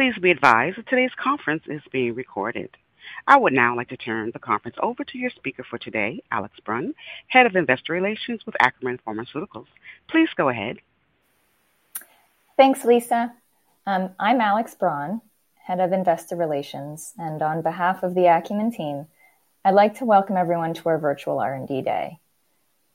Please be advised that today's conference is being recorded. I would now like to turn the conference over to your speaker for today, Alex Braun, Head of Investor Relations with Acumen Pharmaceuticals. Please go ahead. Thanks, Lisa. I'm Alex Braun, Head of Investor Relations, and on behalf of the Acumen team, I'd like to welcome everyone to our virtual R&D Day.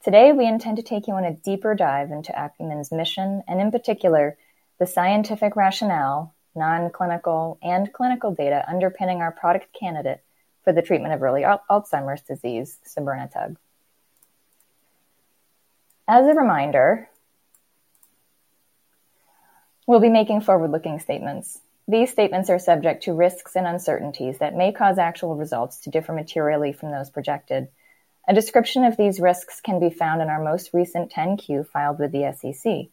Today, we intend to take you on a deeper dive into Acumen's mission, and in particular, the scientific rationale, non-clinical and clinical data underpinning our product candidate for the treatment of early Alzheimer's disease, sabirnetug. As a reminder, we'll be making forward-looking statements. These statements are subject to risks and uncertainties that may cause actual results to differ materially from those projected. A description of these risks can be found in our most recent 10-Q filed with the SEC.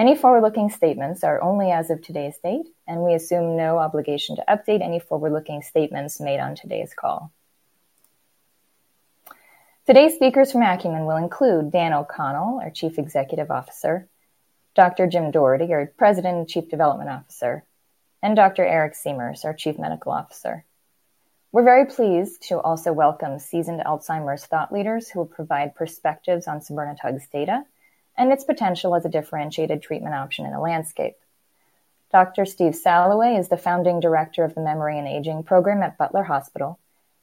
Any forward-looking statements are only as of today's date, and we assume no obligation to update any forward-looking statements made on today's call. Today's speakers from Acumen will include Dan O'Connell, our Chief Executive Officer. Dr. Jim Doherty, our President and Chief Development Officer; and Dr. Eric Siemers, our Chief Medical Officer. We're very pleased to also welcome seasoned Alzheimer's thought leaders who will provide perspectives on sabirnetug's data and its potential as a differentiated treatment option in the landscape. Dr. Steve Salloway is the Founding Director of the Memory and Aging Program at Butler Hospital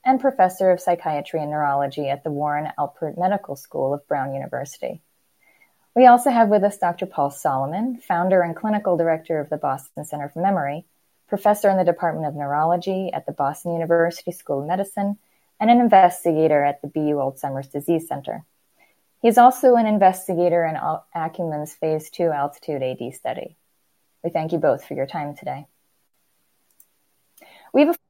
and Professor of Psychiatry and Neurology at the Warren Alpert Medical School of Brown University. We also have with us Dr. Paul Solomon, Founder and Clinical Director of the Boston Center for Memory, Professor in the Department of Neurology at the Boston University School of Medicine, and an investigator at the BU Alzheimer's Disease Center. He's also an investigator in Acumen's phase II ALTITUDE-AD study. We thank you both for your time today. We have Alzheimer's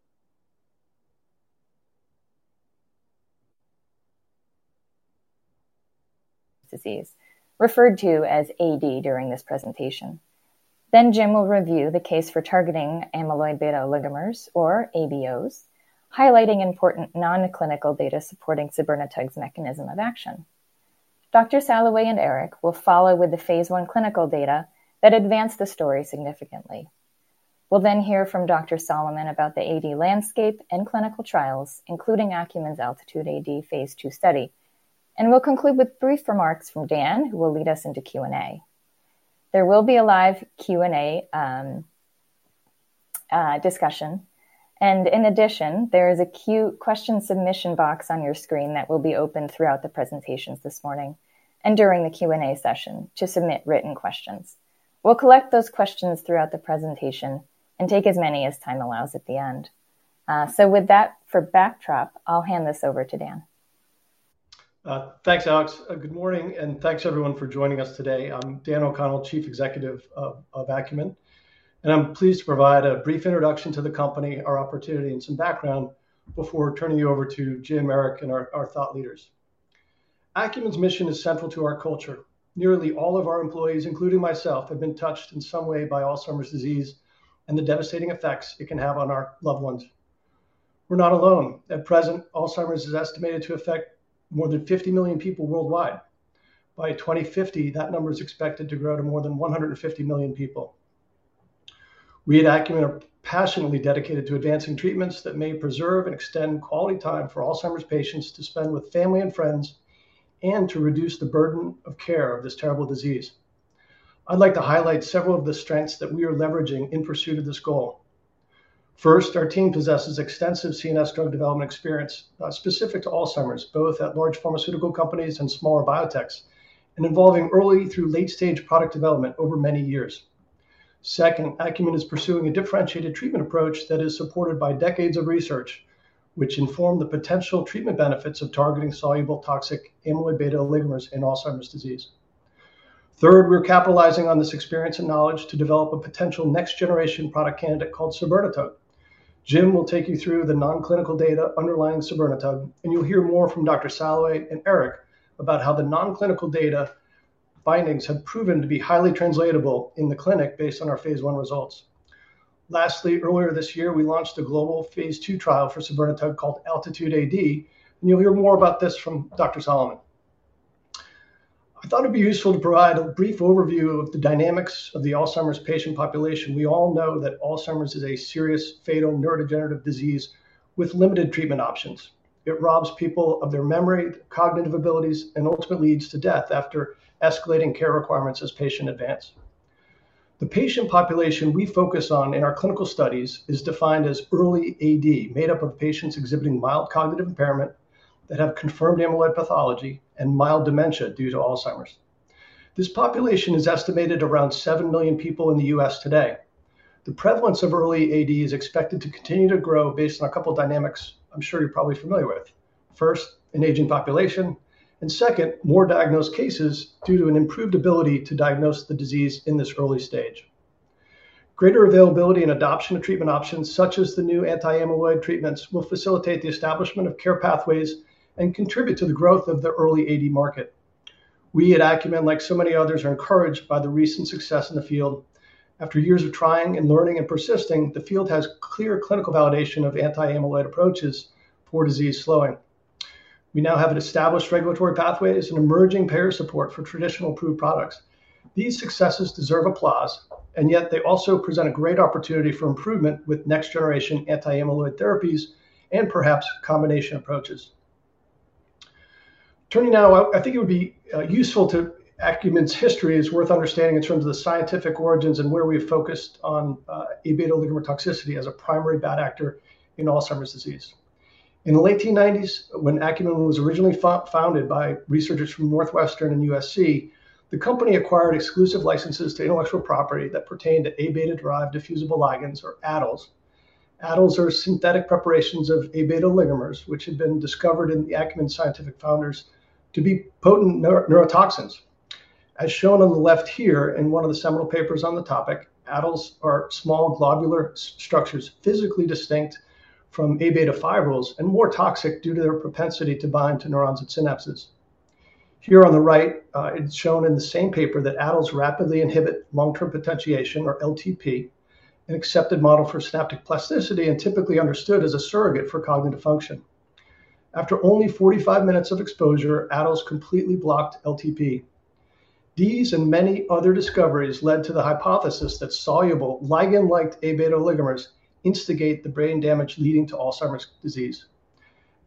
disease, referred to as AD during this presentation. Then Jim will review the case for targeting amyloid beta oligomers or ABOs, highlighting important non-clinical data supporting sabirnetug's mechanism of action. Dr. Salloway and Eric will follow with the phase I clinical data that advanced the story significantly. We'll then hear from Dr. Solomon about the AD landscape and clinical trials, including Acumen's ALTITUDE-AD phase II study, and we'll conclude with brief remarks from Dan, who will lead us into Q&A. There will be a live Q&A discussion, and in addition, there is a Q&A question submission box on your screen that will be open throughout the presentations this morning and during the Q&A session to submit written questions. We'll collect those questions throughout the presentation and take as many as time allows at the end. So with that for backdrop, I'll hand this over to Dan. Thanks, Alex. Good morning, and thanks, everyone, for joining us today. I'm Dan O'Connell, Chief Executive of Acumen, and I'm pleased to provide a brief introduction to the company, our opportunity, and some background before turning you over to Jim, Eric, and our thought leaders. Acumen's mission is central to our culture. Nearly all of our employees, including myself, have been touched in some way by Alzheimer's disease and the devastating effects it can have on our loved ones. We're not alone. At present, Alzheimer's is estimated to affect more than fifty million people worldwide. By 2050, that number is expected to grow to more than 150 million people. We at Acumen are passionately dedicated to advancing treatments that may preserve and extend quality time for Alzheimer's patients to spend with family and friends, and to reduce the burden of care of this terrible disease. I'd like to highlight several of the strengths that we are leveraging in pursuit of this goal. First, our team possesses extensive CNS drug development experience, specific to Alzheimer's, both at large pharmaceutical companies and smaller biotechs, and involving early through late-stage product development over many years. Second, Acumen is pursuing a differentiated treatment approach that is supported by decades of research, which inform the potential treatment benefits of targeting soluble, toxic amyloid beta oligomers in Alzheimer's disease. Third, we're capitalizing on this experience and knowledge to develop a potential next-generation product candidate called sabirnetug. Jim will take you through the non-clinical data underlying sabirnetug, and you'll hear more from Dr. Salloway and Eric about how the non-clinical data findings have proven to be highly translatable in the clinic based on our phase I results. Lastly, earlier this year, we launched a global phase II trial for sabirnetug called ALTITUDE-AD, and you'll hear more about this from Dr. Solomon. I thought it'd be useful to provide a brief overview of the dynamics of the Alzheimer's patient population. We all know that Alzheimer's is a serious, fatal neurodegenerative disease with limited treatment options. It robs people of their memory, cognitive abilities, and ultimately leads to death after escalating care requirements as patients advance. The patient population we focus on in our clinical studies is defined as early AD, made up of patients exhibiting mild cognitive impairment, that have confirmed amyloid pathology and mild dementia due to Alzheimer's. This population is estimated around seven million people in the U.S. today. The prevalence of early AD is expected to continue to grow based on a couple of dynamics I'm sure you're probably familiar with. First, an aging population, and second, more diagnosed cases due to an improved ability to diagnose the disease in this early stage. Greater availability and adoption of treatment options, such as the new anti-amyloid treatments, will facilitate the establishment of care pathways and contribute to the growth of the early AD market. We at Acumen, like so many others, are encouraged by the recent success in the field. After years of trying and learning and persisting, the field has clear clinical validation of anti-amyloid approaches for disease slowing. We now have an established regulatory pathway as an emerging pair support for traditional approved products. These successes deserve applause, and yet they also present a great opportunity for improvement with next generation anti-amyloid therapies and perhaps combination approaches. Turning now, I think it would be useful. Acumen's history is worth understanding in terms of the scientific origins and where we've focused on A-beta oligomer toxicity as a primary bad actor in Alzheimer's disease. In the late 1990s, when Acumen was originally founded by researchers from Northwestern and USC, the company acquired exclusive licenses to intellectual property that pertained to A-beta derived diffusible ligands or ADDLs. ADDLs are synthetic preparations of A-beta oligomers, which had been discovered in the Acumen scientific founders to be potent neurotoxins. As shown on the left here, in one of the seminal papers on the topic, ADDLs are small globular structures, physically distinct from A-beta fibrils, and more toxic due to their propensity to bind to neurons and synapses. Here on the right, it's shown in the same paper that ADDLs rapidly inhibit long-term potentiation, or LTP, an accepted model for synaptic plasticity and typically understood as a surrogate for cognitive function. After only 45 minutes of exposure, ADDLs completely blocked LTP. These and many other discoveries led to the hypothesis that soluble ligand-like A-beta oligomers instigate the brain damage leading to Alzheimer's disease.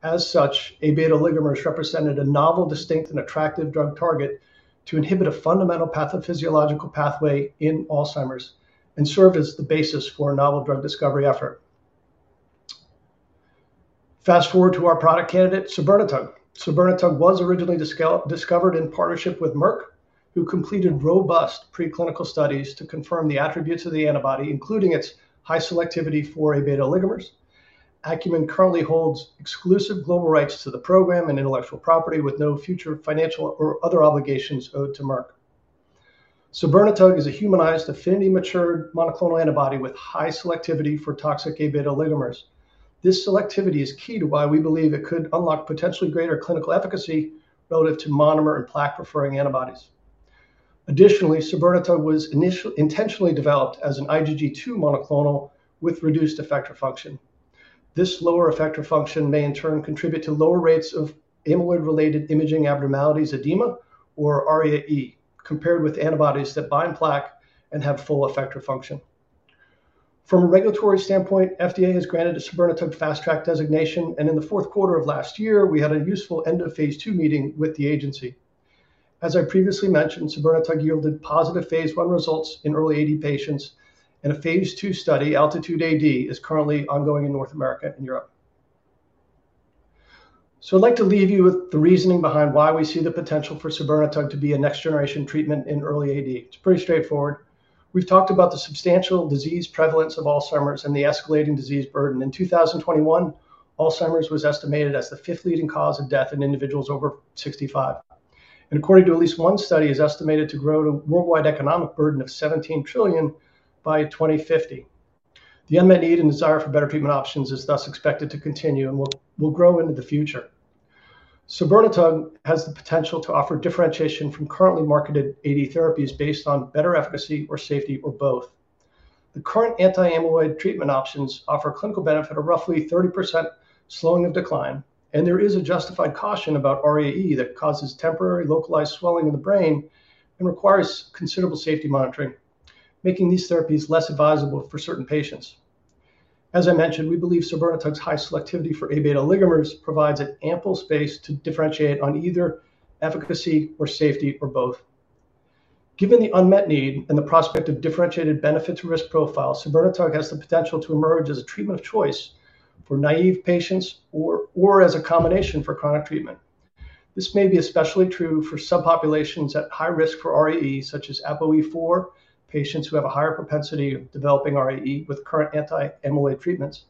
As such, A-beta oligomers represented a novel, distinct, and attractive drug target to inhibit a fundamental pathophysiological pathway in Alzheimer's, and served as the basis for a novel drug discovery effort. Fast-forward to our product candidate, sabirnetug. Sabirnetug was originally discovered in partnership with Merck, who completed robust preclinical studies to confirm the attributes of the antibody, including its high selectivity for A-beta oligomers. Acumen currently holds exclusive global rights to the program and intellectual property, with no future financial or other obligations owed to Merck. Sabirnetug is a humanized, affinity-matured, monoclonal antibody with high selectivity for toxic A-beta oligomers. This selectivity is key to why we believe it could unlock potentially greater clinical efficacy relative to monomer and plaque-preferring antibodies. Additionally, sabirnetug was intentionally developed as an IgG2 monoclonal with reduced effector function. This lower effector function may, in turn, contribute to lower rates of amyloid-related imaging abnormalities - edema or ARIA-E, compared with antibodies that bind plaque and have full effector function. From a regulatory standpoint, FDA has granted sabirnetug fast track designation, and in the fourth quarter of last year, we had a useful end-of-phase II meeting with the agency. As I previously mentioned, sabirnetug yielded positive phase I results in early AD patients, and a phase II study, ALTITUDE-AD, is currently ongoing in North America and Europe. I'd like to leave you with the reasoning behind why we see the potential for sabirnetug to be a next generation treatment in early AD. It's pretty straightforward. We've talked about the substantial disease prevalence of Alzheimer's and the escalating disease burden. In 2021, Alzheimer's was estimated as the fifth leading cause of death in individuals over 65, and according to at least one study, is estimated to grow to worldwide economic burden of $17 trillion by 2050. The unmet need and desire for better treatment options is thus expected to continue and will grow into the future. Sabirnetug has the potential to offer differentiation from currently marketed AD therapies based on better efficacy or safety or both. The current anti-amyloid treatment options offer clinical benefit of roughly 30% slowing of decline, and there is a justified caution about ARIA-E that causes temporary localized swelling of the brain and requires considerable safety monitoring, making these therapies less advisable for certain patients. As I mentioned, we believe sabirnetug's high selectivity for A-beta oligomers provides an ample space to differentiate on either efficacy or safety or both. Given the unmet need and the prospect of differentiated benefit to risk profile, sabirnetug has the potential to emerge as a treatment of choice for naive patients or as a combination for chronic treatment. This may be especially true for subpopulations at high risk for ARIA-E, such as APOE4, patients who have a higher propensity of developing ARIA-E with current anti-amyloid treatments.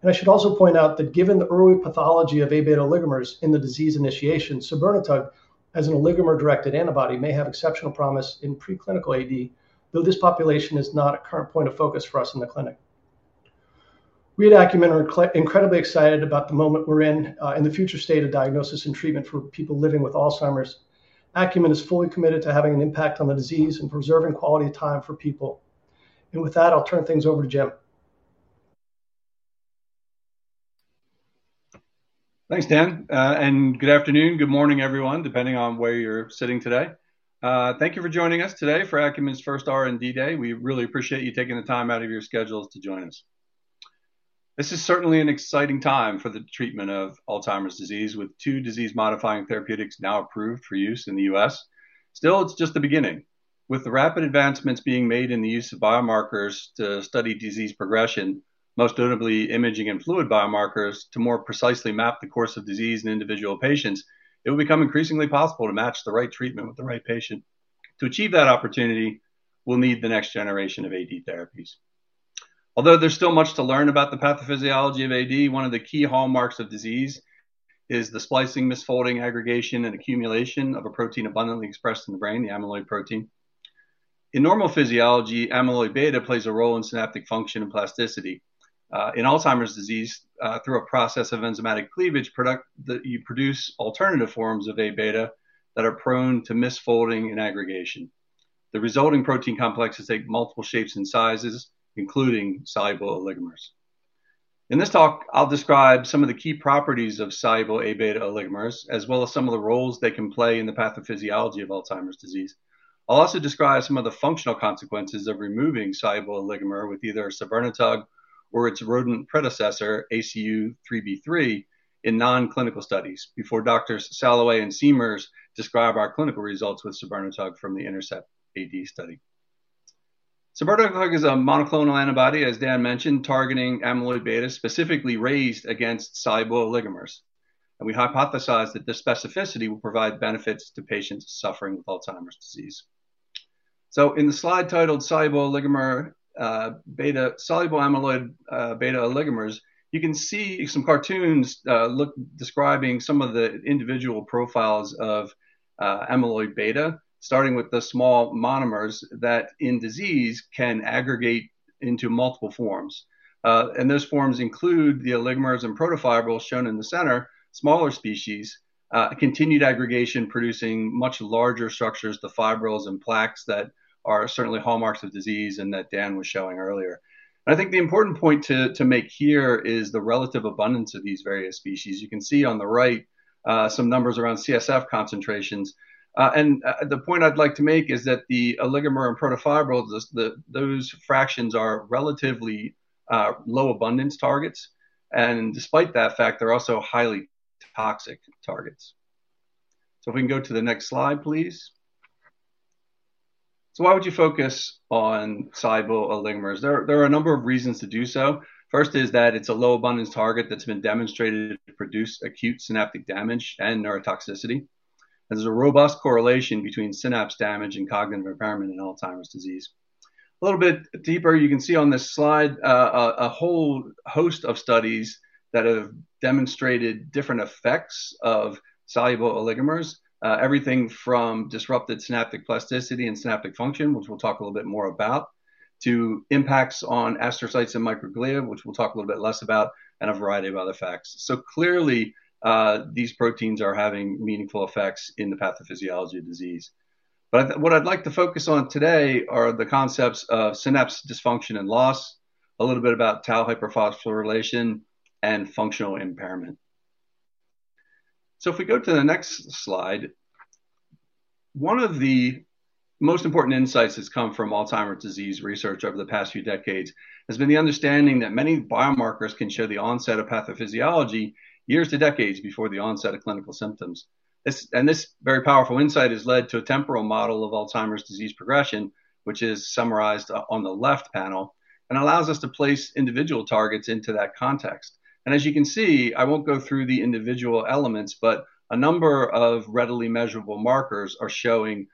And I should also point out that given the early pathology of A-beta oligomers in the disease initiation, sabirnetug, as an oligomer-directed antibody, may have exceptional promise in preclinical AD, though this population is not a current point of focus for us in the clinic. We at Acumen are incredibly excited about the moment we're in, and the future state of diagnosis and treatment for people living with Alzheimer's. Acumen is fully committed to having an impact on the disease and preserving quality of time for people. And with that, I'll turn things over to Jim. Thanks, Dan. And good afternoon, good morning, everyone, depending on where you're sitting today. Thank you for joining us today for Acumen's first R&D day. We really appreciate you taking the time out of your schedules to join us. This is certainly an exciting time for the treatment of Alzheimer's disease, with two disease-modifying therapeutics now approved for use in the U.S. Still, it's just the beginning. With the rapid advancements being made in the use of biomarkers to study disease progression, most notably imaging and fluid biomarkers, to more precisely map the course of disease in individual patients, it will become increasingly possible to match the right treatment with the right patient. To achieve that opportunity, we'll need the next generation of AD therapies. Although there's still much to learn about the pathophysiology of AD, one of the key hallmarks of disease is the splicing, misfolding, aggregation, and accumulation of a protein abundantly expressed in the brain, the amyloid protein. In normal physiology, amyloid beta plays a role in synaptic function and plasticity. In Alzheimer's disease, through a process of enzymatic cleavage product, you produce alternative forms of A-beta that are prone to misfolding and aggregation. The resulting protein complexes take multiple shapes and sizes, including soluble oligomers. In this talk, I'll describe some of the key properties of soluble A-beta oligomers, as well as some of the roles they can play in the pathophysiology of Alzheimer's disease. I'll also describe some of the functional consequences of removing soluble oligomer with either sabirnetug or its rodent predecessor, ACU-3B3, in non-clinical studies, before Doctors Salloway and Siemers describe our clinical results with sabirnetug from the INTERCEPT-AD study. Sabirnetug is a monoclonal antibody, as Dan mentioned, targeting amyloid beta, specifically raised against soluble oligomers, and we hypothesized that this specificity will provide benefits to patients suffering with Alzheimer's disease. So in the slide titled Soluble Oligomer Beta - Soluble Amyloid Oligomers, you can see some cartoons describing some of the individual profiles of amyloid beta, starting with the small monomers that, in disease, can aggregate into multiple forms. Those forms include the oligomers and protofibrils shown in the center, smaller species, continued aggregation producing much larger structures, the fibrils and plaques, that are certainly hallmarks of disease and that Dan was showing earlier. I think the important point to make here is the relative abundance of these various species. You can see on the right some numbers around CSF concentrations. The point I'd like to make is that the oligomer and protofibrils, those fractions are relatively low abundance targets, and despite that fact, they're also highly toxic targets. If we can go to the next slide, please? Why would you focus on soluble oligomers? There are a number of reasons to do so. First is that it's a low abundance target that's been demonstrated to produce acute synaptic damage and neurotoxicity. There's a robust correlation between synapse damage and cognitive impairment in Alzheimer's disease. A little bit deeper, you can see on this slide, a whole host of studies that have demonstrated different effects of soluble oligomers. Everything from disrupted synaptic plasticity and synaptic function, which we'll talk a little bit more about, to impacts on astrocytes and microglia, which we'll talk a little bit less about, and a variety of other effects. So clearly, these proteins are having meaningful effects in the pathophysiology of disease. But what I'd like to focus on today are the concepts of synapse dysfunction and loss, a little bit about tau hyperphosphorylation, and functional impairment. If we go to the next slide, one of the most important insights that's come from Alzheimer's disease research over the past few decades has been the understanding that many biomarkers can show the onset of pathophysiology years to decades before the onset of clinical symptoms. This and this very powerful insight has led to a temporal model of Alzheimer's disease progression, which is summarized on the left panel, and allows us to place individual targets into that context. As you can see, I won't go through the individual elements, but a number of readily measurable markers are showing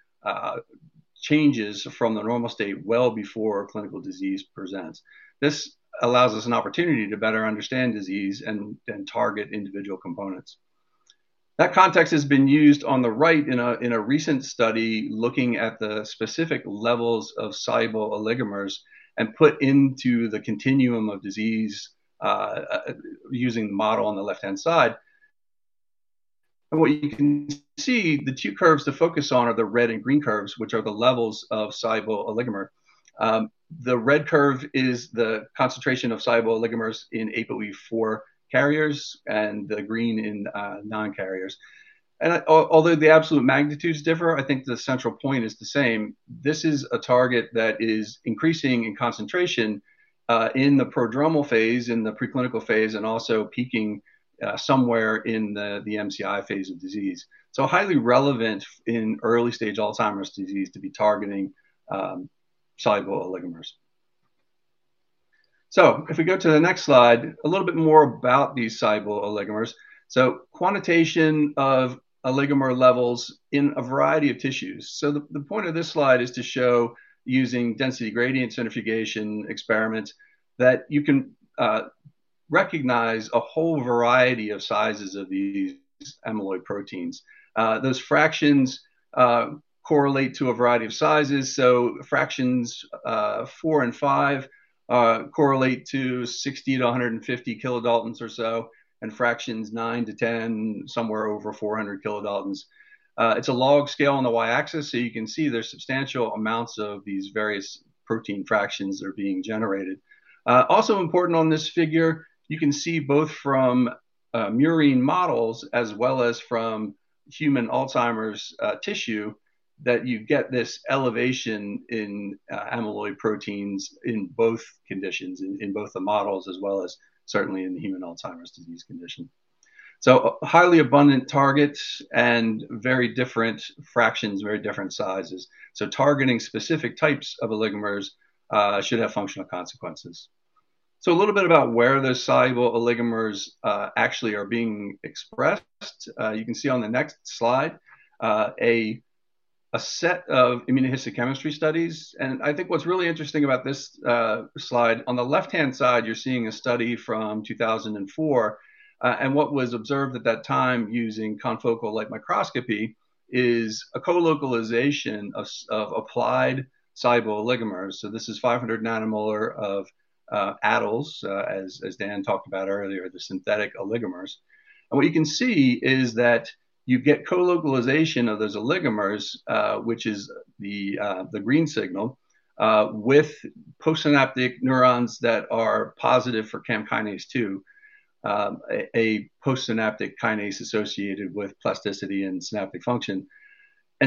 changes from the normal state well before a clinical disease presents. This allows us an opportunity to better understand disease and target individual components. That context has been used on the right in a recent study looking at the specific levels of soluble oligomers and put into the continuum of disease using the model on the left-hand side, and what you can see, the two curves to focus on are the red and green curves, which are the levels of soluble oligomer. The red curve is the concentration of soluble oligomers in APOE4 carriers and the green in non-carriers, and although the absolute magnitudes differ, I think the central point is the same. This is a target that is increasing in concentration in the prodromal phase, in the preclinical phase, and also peaking somewhere in the MCI phase of disease, so highly relevant in early-stage Alzheimer's disease to be targeting soluble oligomers. If we go to the next slide, a little bit more about these soluble oligomers. Quantitation of oligomer levels in a variety of tissues. The point of this slide is to show, using density gradient centrifugation experiments, that you can recognize a whole variety of sizes of these amyloid proteins. Those fractions correlate to a variety of sizes, so fractions four and five correlate to 60 kilodaltons-150 kilodaltons or so, and fractions nine to 10, somewhere over 400 kilodaltons. It's a log scale on the Y-axis, so you can see there's substantial amounts of these various protein fractions that are being generated. Also important on this figure, you can see both from murine models as well as from human Alzheimer's tissue that you get this elevation in amyloid proteins in both conditions, both the models, as well as certainly in the human Alzheimer's disease condition. Highly abundant targets and very different fractions, very different sizes, so targeting specific types of oligomers should have functional consequences. A little bit about where those soluble oligomers actually are being expressed. You can see on the next slide a set of immunohistochemistry studies. I think what's really interesting about this slide, on the left-hand side, you're seeing a study from 2004. What was observed at that time, using confocal light microscopy, is a co-localization of applied soluble oligomers. This is 500 nanomolar of ADDLs, as Dan talked about earlier, the synthetic oligomers. What you can see is that you get co-localization of those oligomers, which is the green signal with postsynaptic neurons that are positive for CaM kinase II, a postsynaptic kinase associated with plasticity and synaptic function.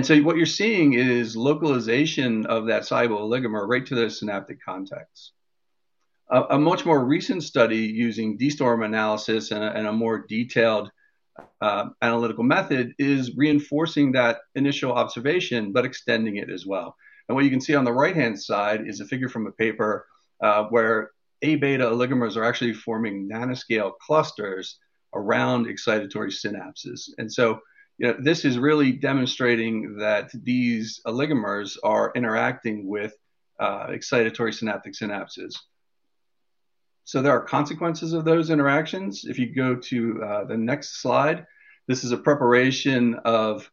What you're seeing is localization of that soluble oligomer right to the synaptic contacts. A much more recent study using dSTORM analysis and a more detailed analytical method is reinforcing that initial observation, but extending it as well. What you can see on the right-hand side is a figure from a paper where A-beta oligomers are actually forming nanoscale clusters around excitatory synapses. And so, you know, this is really demonstrating that these oligomers are interacting with excitatory synaptic synapses. So there are consequences of those interactions. If you go to the next slide, this is a preparation of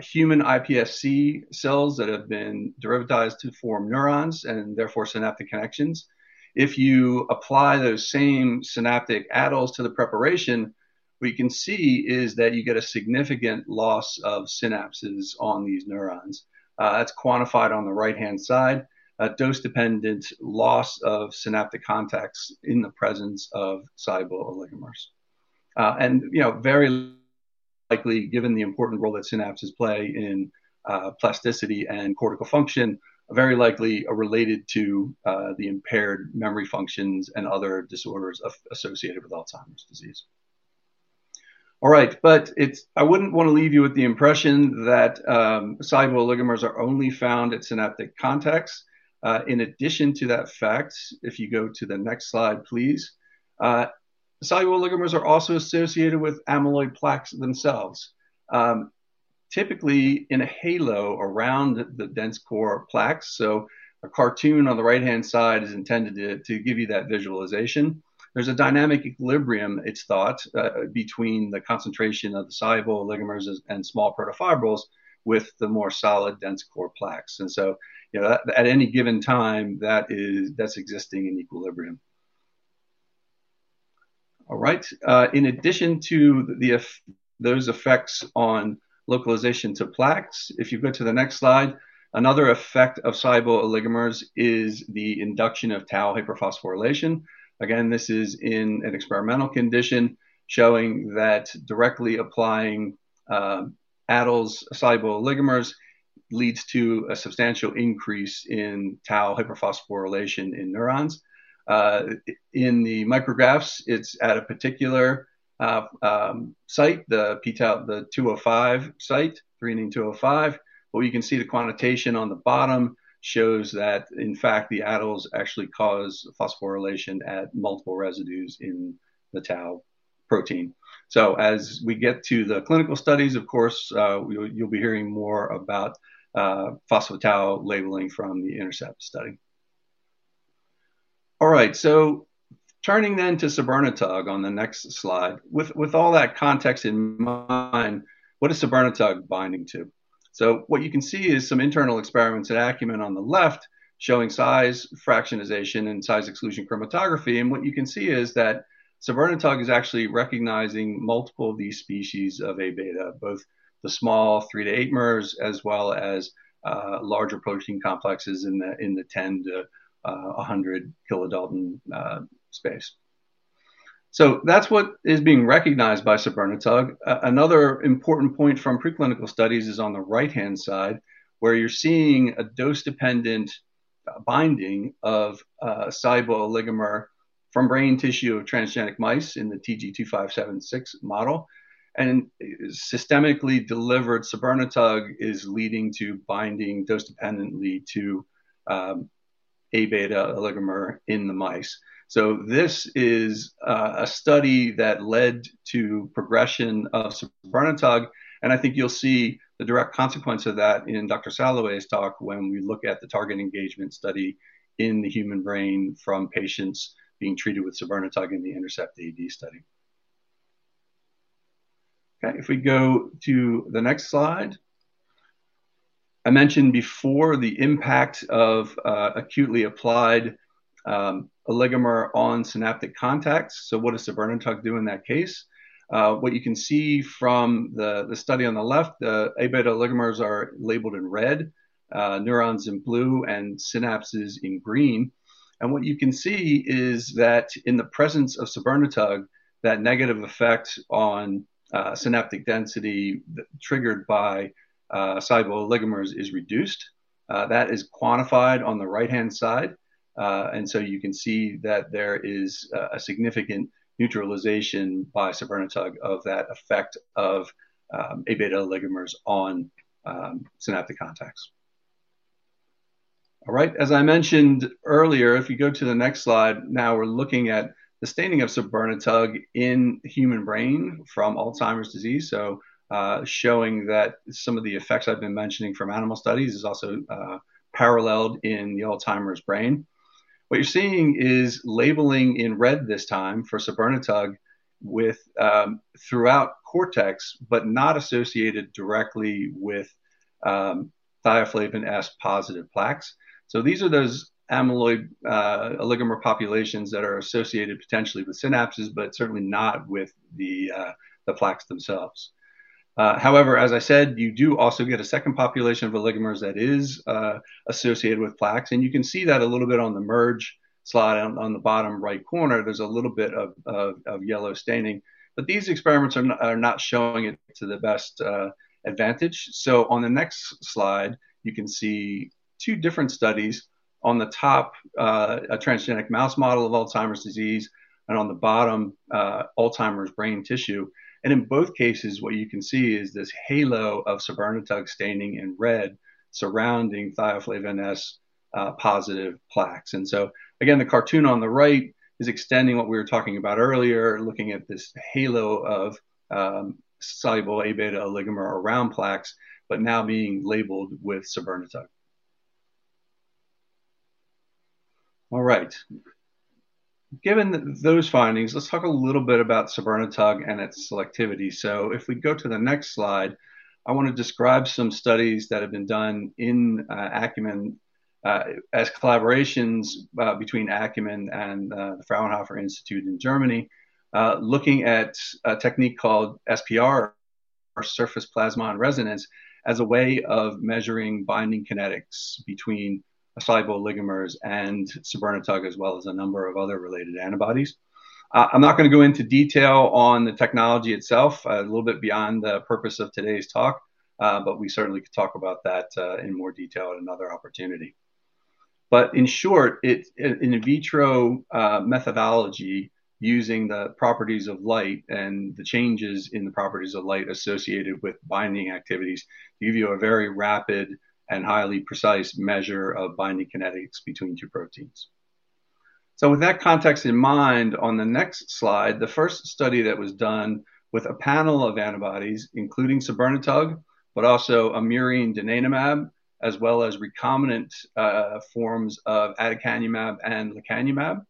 human iPSC cells that have been derivatized to form neurons and therefore synaptic connections. If you apply those same synaptic ADDLs to the preparation, what you can see is that you get a significant loss of synapses on these neurons. That's quantified on the right-hand side. A dose-dependent loss of synaptic contacts in the presence of soluble oligomers. And, you know, very likely, given the important role that synapses play in plasticity and cortical function, very likely are related to the impaired memory functions and other disorders associated with Alzheimer's disease. All right. But it's... I wouldn't wanna leave you with the impression that soluble oligomers are only found at synaptic contacts. In addition to that fact, if you go to the next slide, please, soluble oligomers are also associated with amyloid plaques themselves. Typically in a halo around the dense core of plaques, so a cartoon on the right-hand side is intended to give you that visualization. There's a dynamic equilibrium, it's thought, between the concentration of the soluble oligomers and small protofibrils with the more solid, dense core plaques, and so, you know, that at any given time, that's existing in equilibrium. All right. In addition to those effects on localization to plaques, if you go to the next slide, another effect of soluble oligomers is the induction of tau hyperphosphorylation. Again, this is in an experimental condition, showing that directly applying ADDLs, soluble oligomers, leads to a substantial increase in tau hyperphosphorylation in neurons. In the micrographs, it's at a particular site, the p-Tau, the 205 site, threonine 205, where you can see the quantitation on the bottom shows that, in fact, the ADDLs actually cause phosphorylation at multiple residues in the tau protein. As we get to the clinical studies, of course, we'll be hearing more about phospho-tau labeling from the INTERCEPT study. All right, turning then to sabirnetug on the next slide. With all that context in mind, what is sabirnetug binding to? What you can see is some internal experiments at Acumen on the left, showing size fractionation, and size exclusion chromatography. What you can see is that sabirnetug is actually recognizing multiple of these species of A-beta, both the small three- to eightmers, as well as larger protein complexes in the 10 to 100 kilodalton space. That's what is being recognized by sabirnetug. Another important point from preclinical studies is on the right-hand side, where you're seeing a dose-dependent binding of soluble oligomer from brain tissue of transgenic mice in the Tg2576 model. Systemically delivered sabirnetug is leading to binding dose-dependently to A-beta oligomer in the mice. This is a study that led to progression of sabirnetug, and I think you'll see the direct consequence of that in Dr. Salloway's talk when we look at the target engagement study in the human brain from patients being treated with sabirnetug in the INTERCEPT-AD study. Okay, if we go to the next slide. I mentioned before the impact of acutely applied oligomer on synaptic contacts. So what does sabirnetug do in that case? What you can see from the study on the left, the A-beta oligomers are labeled in red, neurons in blue, and synapses in green, and what you can see is that in the presence of sabirnetug, that negative effect on synaptic density triggered by soluble oligomers is reduced. That is quantified on the right-hand side, and so you can see that there is a significant neutralization by sabirnetug of that effect of A-beta oligomers on synaptic contacts. All right, as I mentioned earlier, if you go to the next slide, now we're looking at the staining of sabirnetug in human brain from Alzheimer's disease. Showing that some of the effects I've been mentioning from animal studies is also paralleled in the Alzheimer's brain. What you're seeing is labeling in red this time for sabirnetug with throughout cortex, but not associated directly with Thioflavin S-positive plaques. These are those amyloid oligomer populations that are associated potentially with synapses, but certainly not with the plaques themselves. However, as I said, you do also get a second population of oligomers that is associated with plaques, and you can see that a little bit on the merge slide. On the bottom right corner, there's a little bit of of yellow staining. But these experiments are not showing it to the best advantage. On the next slide, you can see two different studies. On the top, a transgenic mouse model of Alzheimer's disease, and on the bottom, Alzheimer's brain tissue, and in both cases, what you can see is this halo of sabirnetug staining in red surrounding Thioflavin S-positive plaques, and so, again, the cartoon on the right is extending what we were talking about earlier, looking at this halo of soluble A-beta oligomer around plaques, but now being labeled with sabirnetug. All right. Given those findings, let's talk a little bit about sabirnetug and its selectivity. So if we go to the next slide, I wanna describe some studies that have been done in Acumen as collaborations between Acumen and the Fraunhofer Institute in Germany looking at a technique called SPR, or surface plasmon resonance, as a way of measuring binding kinetics between soluble oligomers and sabirnetug, as well as a number of other related antibodies. I'm not gonna go into detail on the technology itself, a little bit beyond the purpose of today's talk, but we certainly could talk about that in more detail at another opportunity. But in short, in vitro methodology, using the properties of light and the changes in the properties of light associated with binding activities give you a very rapid and highly precise measure of binding kinetics between two proteins. So with that context in mind, on the next slide, the first study that was done with a panel of antibodies, including sabirnetug, but also a murine donanemab, as well as recombinant forms of aducanumab and lecanemab,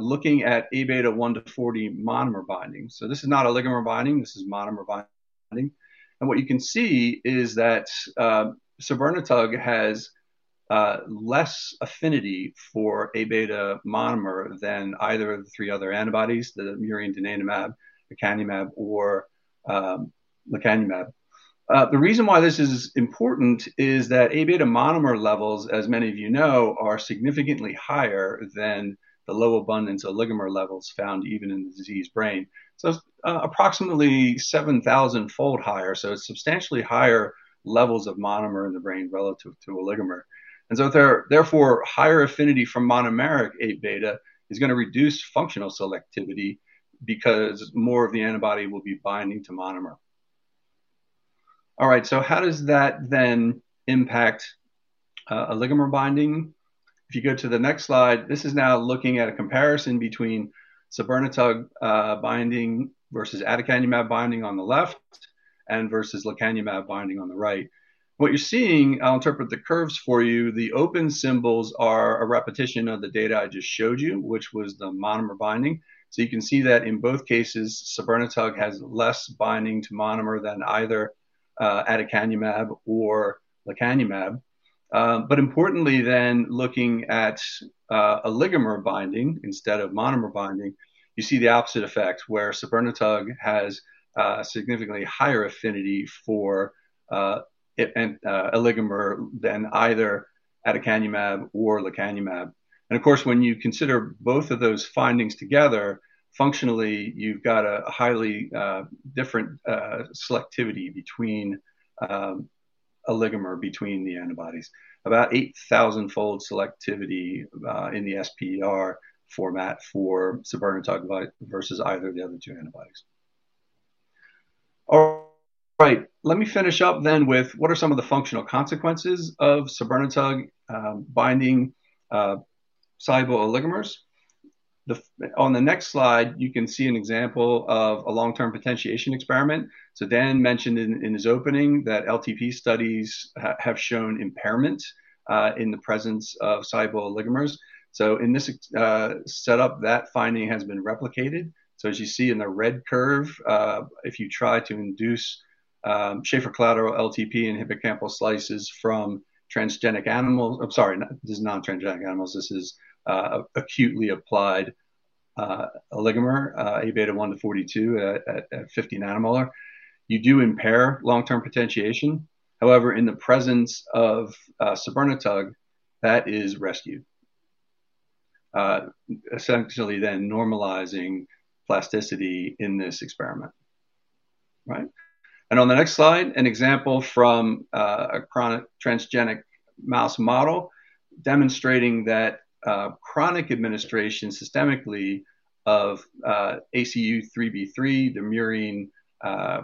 looking at A-beta 1-40 monomer binding. So this is not oligomer binding, this is monomer binding. And what you can see is that sabirnetug has less affinity for A-beta monomer than either of the three other antibodies, the murine donanemab, aducanumab, or lecanemab. The reason why this is important is that A-beta monomer levels, as many of you know, are significantly higher than the low abundance oligomer levels found even in the diseased brain. So approximately seven thousand-fold higher, so it's substantially higher levels of monomer in the brain relative to oligomer. And so therefore, higher affinity from monomeric A-beta is gonna reduce functional selectivity because more of the antibody will be binding to monomer. All right, so how does that then impact oligomer binding? If you go to the next slide, this is now looking at a comparison between sabirnetug binding versus aducanumab binding on the left, and versus lecanemab binding on the right. What you're seeing, I'll interpret the curves for you, the open symbols are a repetition of the data I just showed you, which was the monomer binding. So you can see that in both cases, sabirnetug has less binding to monomer than either aducanumab or lecanemab. But importantly then, looking at oligomer binding instead of monomer binding, you see the opposite effect, where sabirnetug has a significantly higher affinity for an oligomer than either aducanumab or lecanemab. And of course, when you consider both of those findings together, functionally, you've got a highly different selectivity between oligomer between the antibodies. About eight thousand fold selectivity in the SPR format for sabirnetug versus either of the other two antibodies. All right. Let me finish up then with what are some of the functional consequences of sabirnetug binding soluble oligomers? On the next slide, you can see an example of a long-term potentiation experiment. So Dan mentioned in his opening that LTP studies have shown impairment in the presence of soluble oligomers. So in this setup, that finding has been replicated. So as you see in the red curve, if you try to induce Schaffer collateral LTP in hippocampal slices from transgenic animals. I'm sorry, not, this is not transgenic animals. This is acutely applied oligomer A-beta 1-42 at 50 nanomolar. You do impair long-term potentiation. However, in the presence of sabirnetug, that is rescued, essentially then normalizing plasticity in this experiment. Right. And on the next slide, an example from a chronic transgenic mouse model demonstrating that chronic administration, systemically, of ACU-3B3, the murine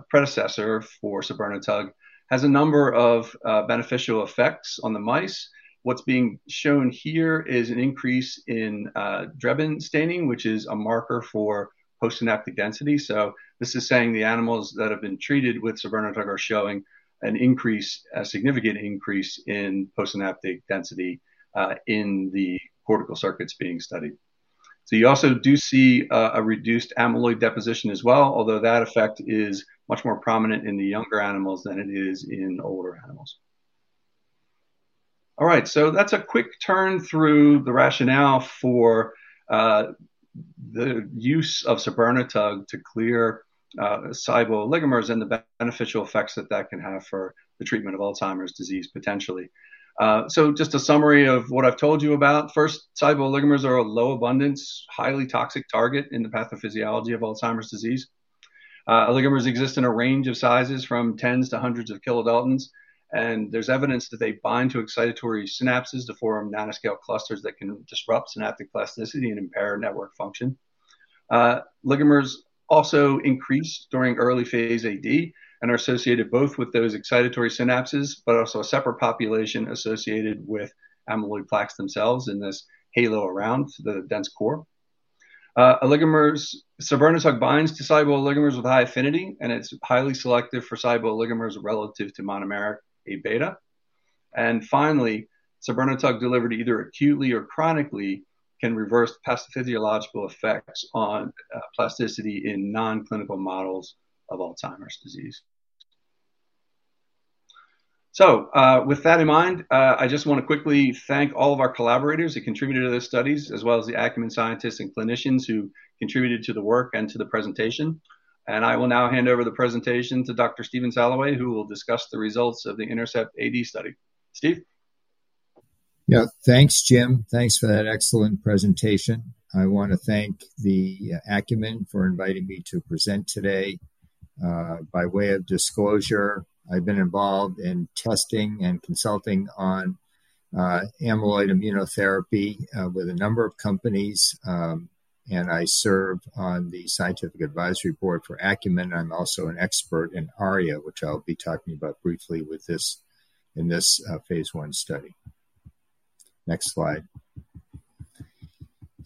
predecessor for sabirnetug, has a number of beneficial effects on the mice. What's being shown here is an increase in drebrin staining, which is a marker for postsynaptic density. So this is saying the animals that have been treated with sabirnetug are showing an increase, a significant increase in postsynaptic density in the cortical circuits being studied. So you also do see a reduced amyloid deposition as well, although that effect is much more prominent in the younger animals than it is in older animals. All right, so that's a quick turn through the rationale for the use of sabirnetug to clear soluble oligomers and the beneficial effects that that can have for the treatment of Alzheimer's disease, potentially. So just a summary of what I've told you about. First, soluble oligomers are a low abundance, highly toxic target in the pathophysiology of Alzheimer's disease. Oligomers exist in a range of sizes, from tens to hundreds of kilodaltons, and there's evidence that they bind to excitatory synapses to form nanoscale clusters that can disrupt synaptic plasticity and impair network function. Oligomers also increase during early phase AD, and are associated both with those excitatory synapses, but also a separate population associated with amyloid plaques themselves in this halo around the dense core. Oligomers. Sabirnetug binds to soluble oligomers with high affinity, and it's highly selective for soluble oligomers relative to monomeric A-beta. And finally, sabirnetug delivered either acutely or chronically, can reverse pathophysiological effects on plasticity in non-clinical models of Alzheimer's disease. So, with that in mind, I just wanna quickly thank all of our collaborators who contributed to the studies, as well as the Acumen scientists and clinicians who contributed to the work and to the presentation. And I will now hand over the presentation to Dr. Stephen Salloway, who will discuss the results of the INTERCEPT-AD study. Steve? Yeah. Thanks, Jim. Thanks for that excellent presentation. I wanna thank the Acumen for inviting me to present today. By way of disclosure, I've been involved in testing and consulting on amyloid immunotherapy with a number of companies, and I serve on the scientific advisory board for Acumen. I'm also an expert in ARIA, which I'll be talking about briefly in this phase I study. Next slide.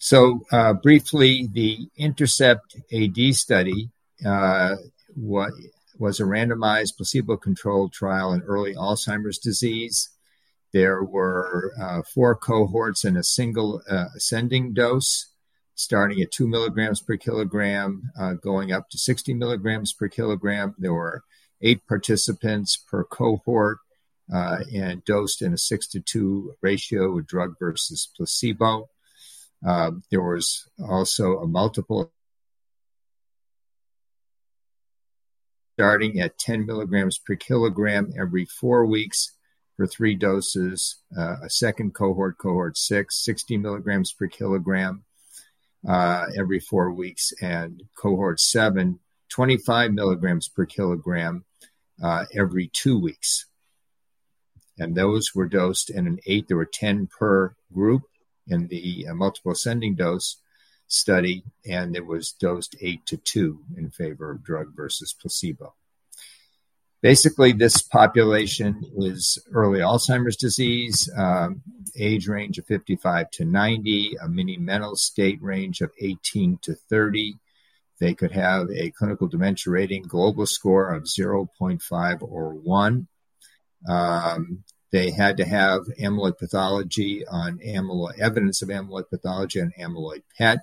So, briefly, the INTERCEPT-AD study was a randomized, placebo-controlled trial in early Alzheimer's disease. There were four cohorts in a single ascending dose, starting at 2 mg/kg, going up to sixty mg/kg. There were eight participants per cohort, and dosed in a 6:2 ratio with drug versus placebo. There was also a multiple... starting at 10 mg/kg every four weeks for three doses. A second cohort, cohort six, 60 mg/kg every four weeks, and cohort seven, 25 mg/kg every two weeks. And those were dosed in an 8 or a 10 per group in the multiple ascending dose study, and it was dosed 8:2 in favor of drug versus placebo. Basically, this population was early Alzheimer's disease, age range of 55-90, a Mini-Mental State range of 18-30. They could have a Clinical Dementia Rating Global score of 0.5 or 1. They had to have evidence of amyloid pathology on amyloid PET.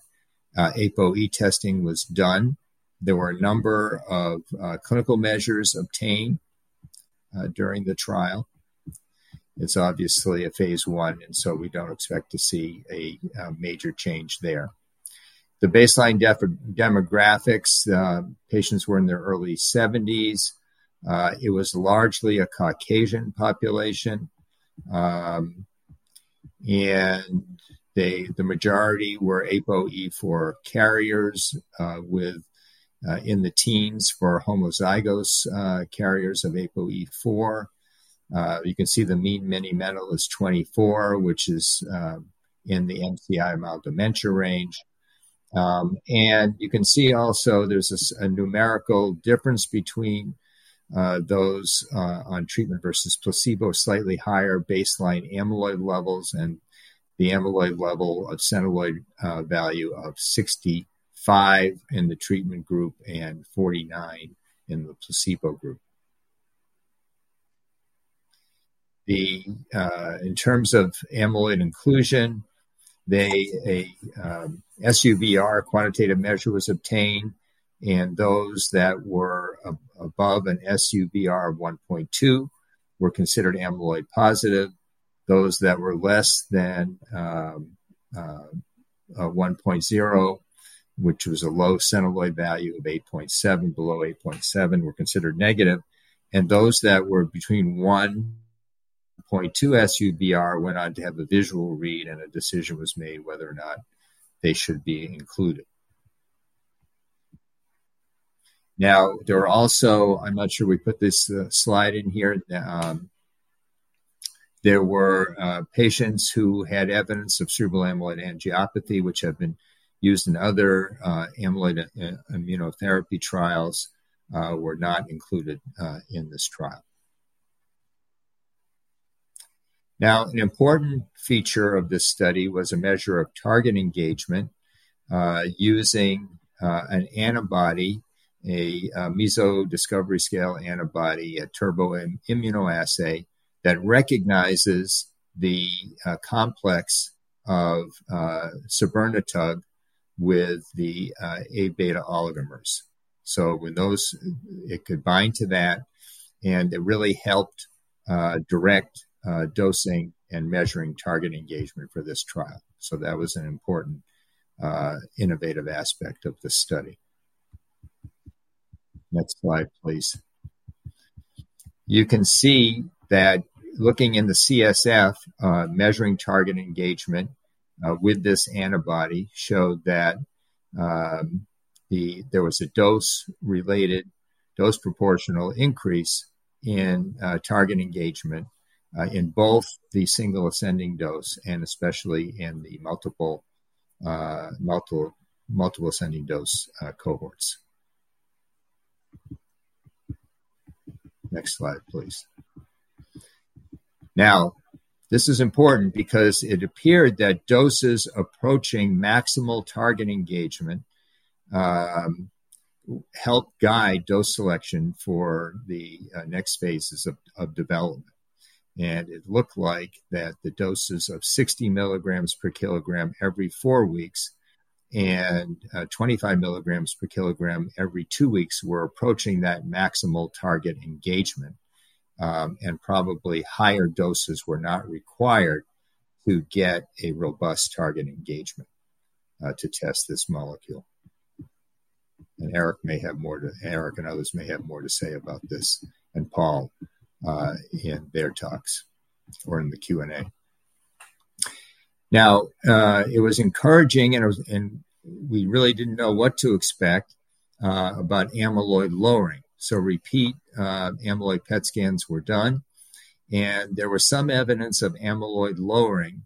APOE testing was done. There were a number of clinical measures obtained during the trial. It's obviously a phase I, and so we don't expect to see a major change there. The baseline demographics, patients were in their early seventies. It was largely a Caucasian population, and the majority were APOE4 carriers, with in the teens for homozygous carriers of APOE4. You can see the mean Mini-Mental is 24, which is in the MCI mild dementia range. And you can see also there's a numerical difference between those on treatment versus placebo, slightly higher baseline amyloid levels and the amyloid level of Centiloid value of 65 in the treatment group and 49 in the placebo group. In terms of amyloid inclusion, SUVR quantitative measure was obtained, and those that were above an SUVR of 1.2 were considered amyloid positive. Those that were less than one point zero, which was a low Centiloid value of 8.7, below 8.7, were considered negative. And those that were between 1.2 SUVR went on to have a visual read and a decision was made whether or not they should be included. Now, there were also. I'm not sure we put this slide in here. There were patients who had evidence of cerebral amyloid angiopathy, which have been used in other amyloid immunotherapy trials, were not included in this trial. Now, an important feature of this study was a measure of target engagement using an antibody, a Meso Scale Discovery antibody, a Turbo immunoassay that recognizes the complex of sabirnetug with the A-beta oligomers. So with those, it could bind to that, and it really helped direct dosing and measuring target engagement for this trial. So that was an important innovative aspect of this study. Next slide, please. You can see that looking in the CSF, measuring target engagement with this antibody showed that there was a dose-related, dose-proportional increase in target engagement in both the single ascending dose and especially in the multiple ascending dose cohorts. Next slide, please. Now, this is important because it appeared that doses approaching maximal target engagement helped guide dose selection for the next phases of development. And it looked like that the doses of 60 mg/kg every four weeks and 25 mg/kg every two weeks were approaching that maximal target engagement, and probably higher doses were not required to get a robust target engagement to test this molecule. And Eric and others may have more to say about this, and Paul in their talks or in the Q&A. Now it was encouraging, and it was and we really didn't know what to expect about amyloid lowering. So repeat amyloid PET scans were done, and there were some evidence of amyloid lowering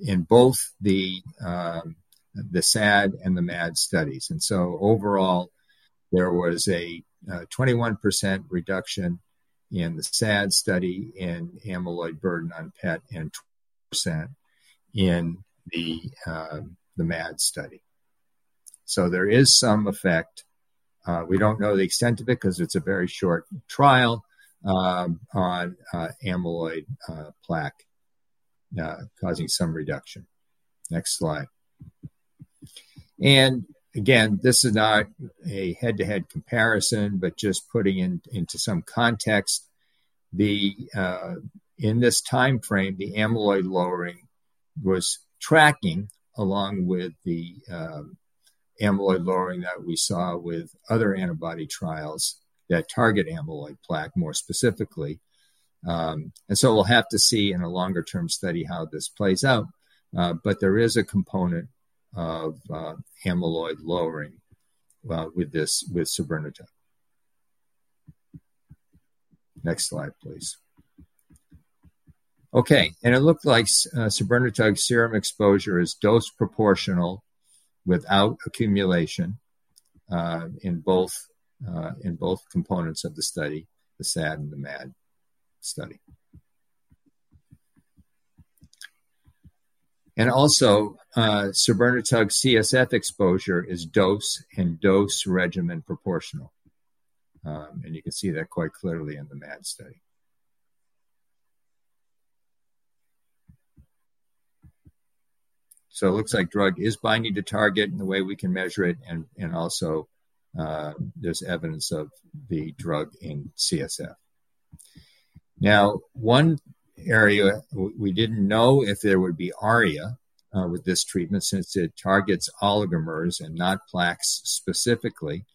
in both the SAD and the MAD studies. And so overall, there was a 21% reduction in the SAD study in amyloid burden on PET and 20% in the MAD study. So there is some effect, we don't know the extent of it because it's a very short trial, on amyloid plaque causing some reduction. Next slide. And again, this is not a head-to-head comparison, but just putting in, into some context, the in this time frame, the amyloid lowering was tracking along with the amyloid lowering that we saw with other antibody trials that target amyloid plaque more specifically. And so we'll have to see in a longer-term study how this plays out. But there is a component of amyloid lowering with this, with sabirnetug. Next slide, please. Okay, and it looked like sabirnetug serum exposure is dose proportional without accumulation in both components of the study, the SAD and the MAD study. And also, sabirnetug CSF exposure is dose and dose regimen proportional. And you can see that quite clearly in the MAD study. So it looks like drug is binding to target in the way we can measure it, and also there's evidence of the drug in CSF. Now, one area we didn't know if there would be ARIA with this treatment since it targets oligomers and not plaques specifically.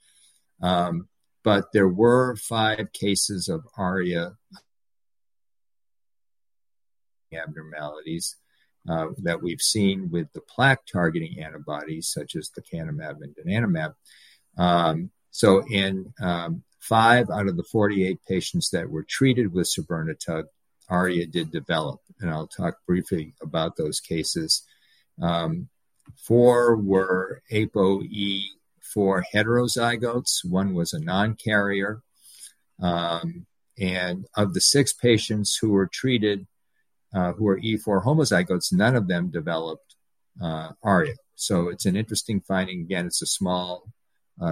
But there were five cases of ARIA abnormalities that we've seen with the plaque-targeting antibodies, such as lecanemab and donanemab. So in five out of the 48 patients that were treated with sabirnetug, ARIA did develop, and I'll talk briefly about those cases. Four were APOE4 heterozygotes, one was a non-carrier. And of the six patients who were treated, who were E4 homozygotes, none of them developed ARIA. So it's an interesting finding. Again, it's a small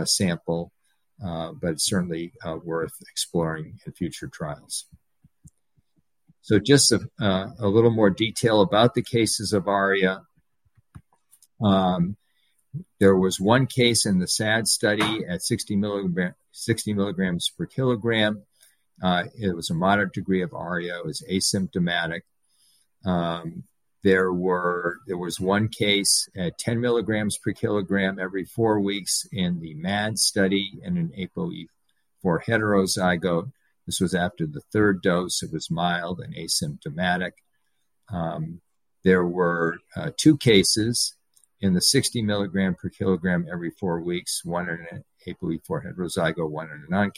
sample, but certainly worth exploring in future trials. So just a little more detail about the cases of ARIA. There was one case in the SAD study at 60 milligram, 60 mg/kg. It was a moderate degree of ARIA. It was asymptomatic. There was one case at 10 mg/kg every four weeks in the MAD study and an APOE4 heterozygote. This was after the third dose. It was mild and asymptomatic. There were two cases in the 60 mg/kg every four weeks, one in an APOE4 heterozygote, one in a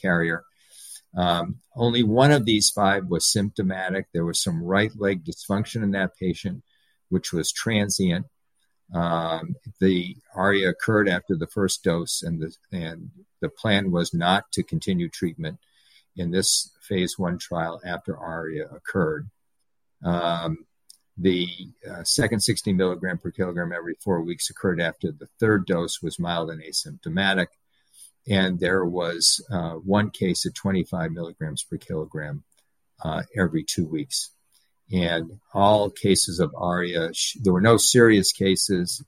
non-carrier. Only one of these five was symptomatic. There was some right leg dysfunction in that patient, which was transient. The ARIA occurred after the first dose, and the plan was not to continue treatment in this phase I trial after ARIA occurred. The second 60 mg/kg every 4 weeks occurred after the third dose was mild and asymptomatic, and there was one case at 25 mg/kg every 2 weeks. All cases of ARIA, there were no serious cases,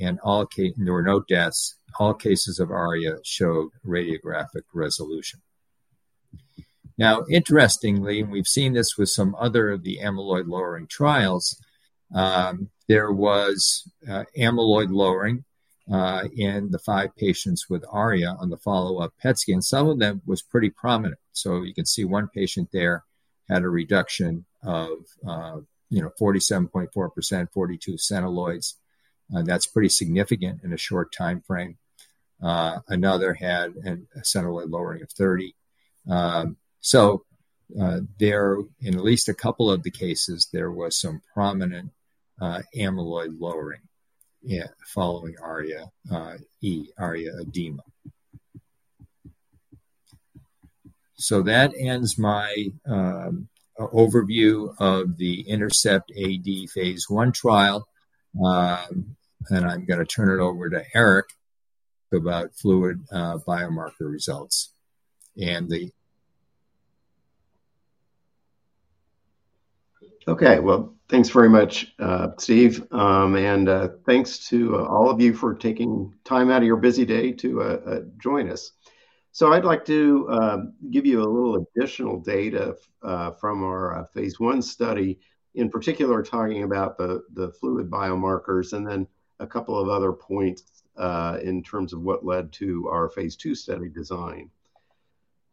and all cases there were no deaths. All cases of ARIA showed radiographic resolution. Now, interestingly, and we've seen this with some other of the amyloid-lowering trials, there was amyloid lowering in the five patients with ARIA on the follow-up PET scan. Some of them was pretty prominent. So you can see one patient there had a reduction of, you know, 47.4%, 42 Centiloids. That's pretty significant in a short timeframe. Another had a Centiloid lowering of 30. So, there, in at least a couple of the cases, there was some prominent amyloid lowering, yeah, following ARIA-E, ARIA-edema. So that ends my overview of the INTERCEPT-AD phase I trial. And I'm gonna turn it over to Eric about fluid biomarker results and the- Okay. Well, thanks very much, Steve, and thanks to all of you for taking time out of your busy day to join us, so I'd like to give you a little additional data from our phase I study, in particular, talking about the fluid biomarkers, and then a couple of other points in terms of what led to our phase II study design,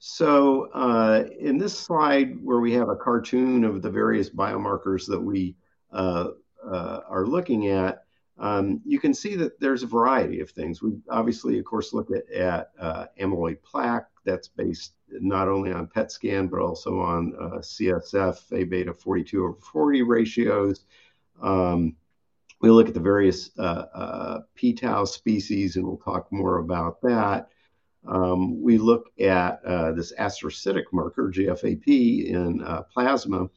so in this slide, where we have a cartoon of the various biomarkers that we are looking at, you can see that there's a variety of things. We obviously, of course, looked at amyloid plaque that's based not only on PET scan but also on CSF, A-beta 42/40 ratios. We look at the various p-Tau species, and we'll talk more about that. We look at this astrocytic marker, GFAP, in plasma.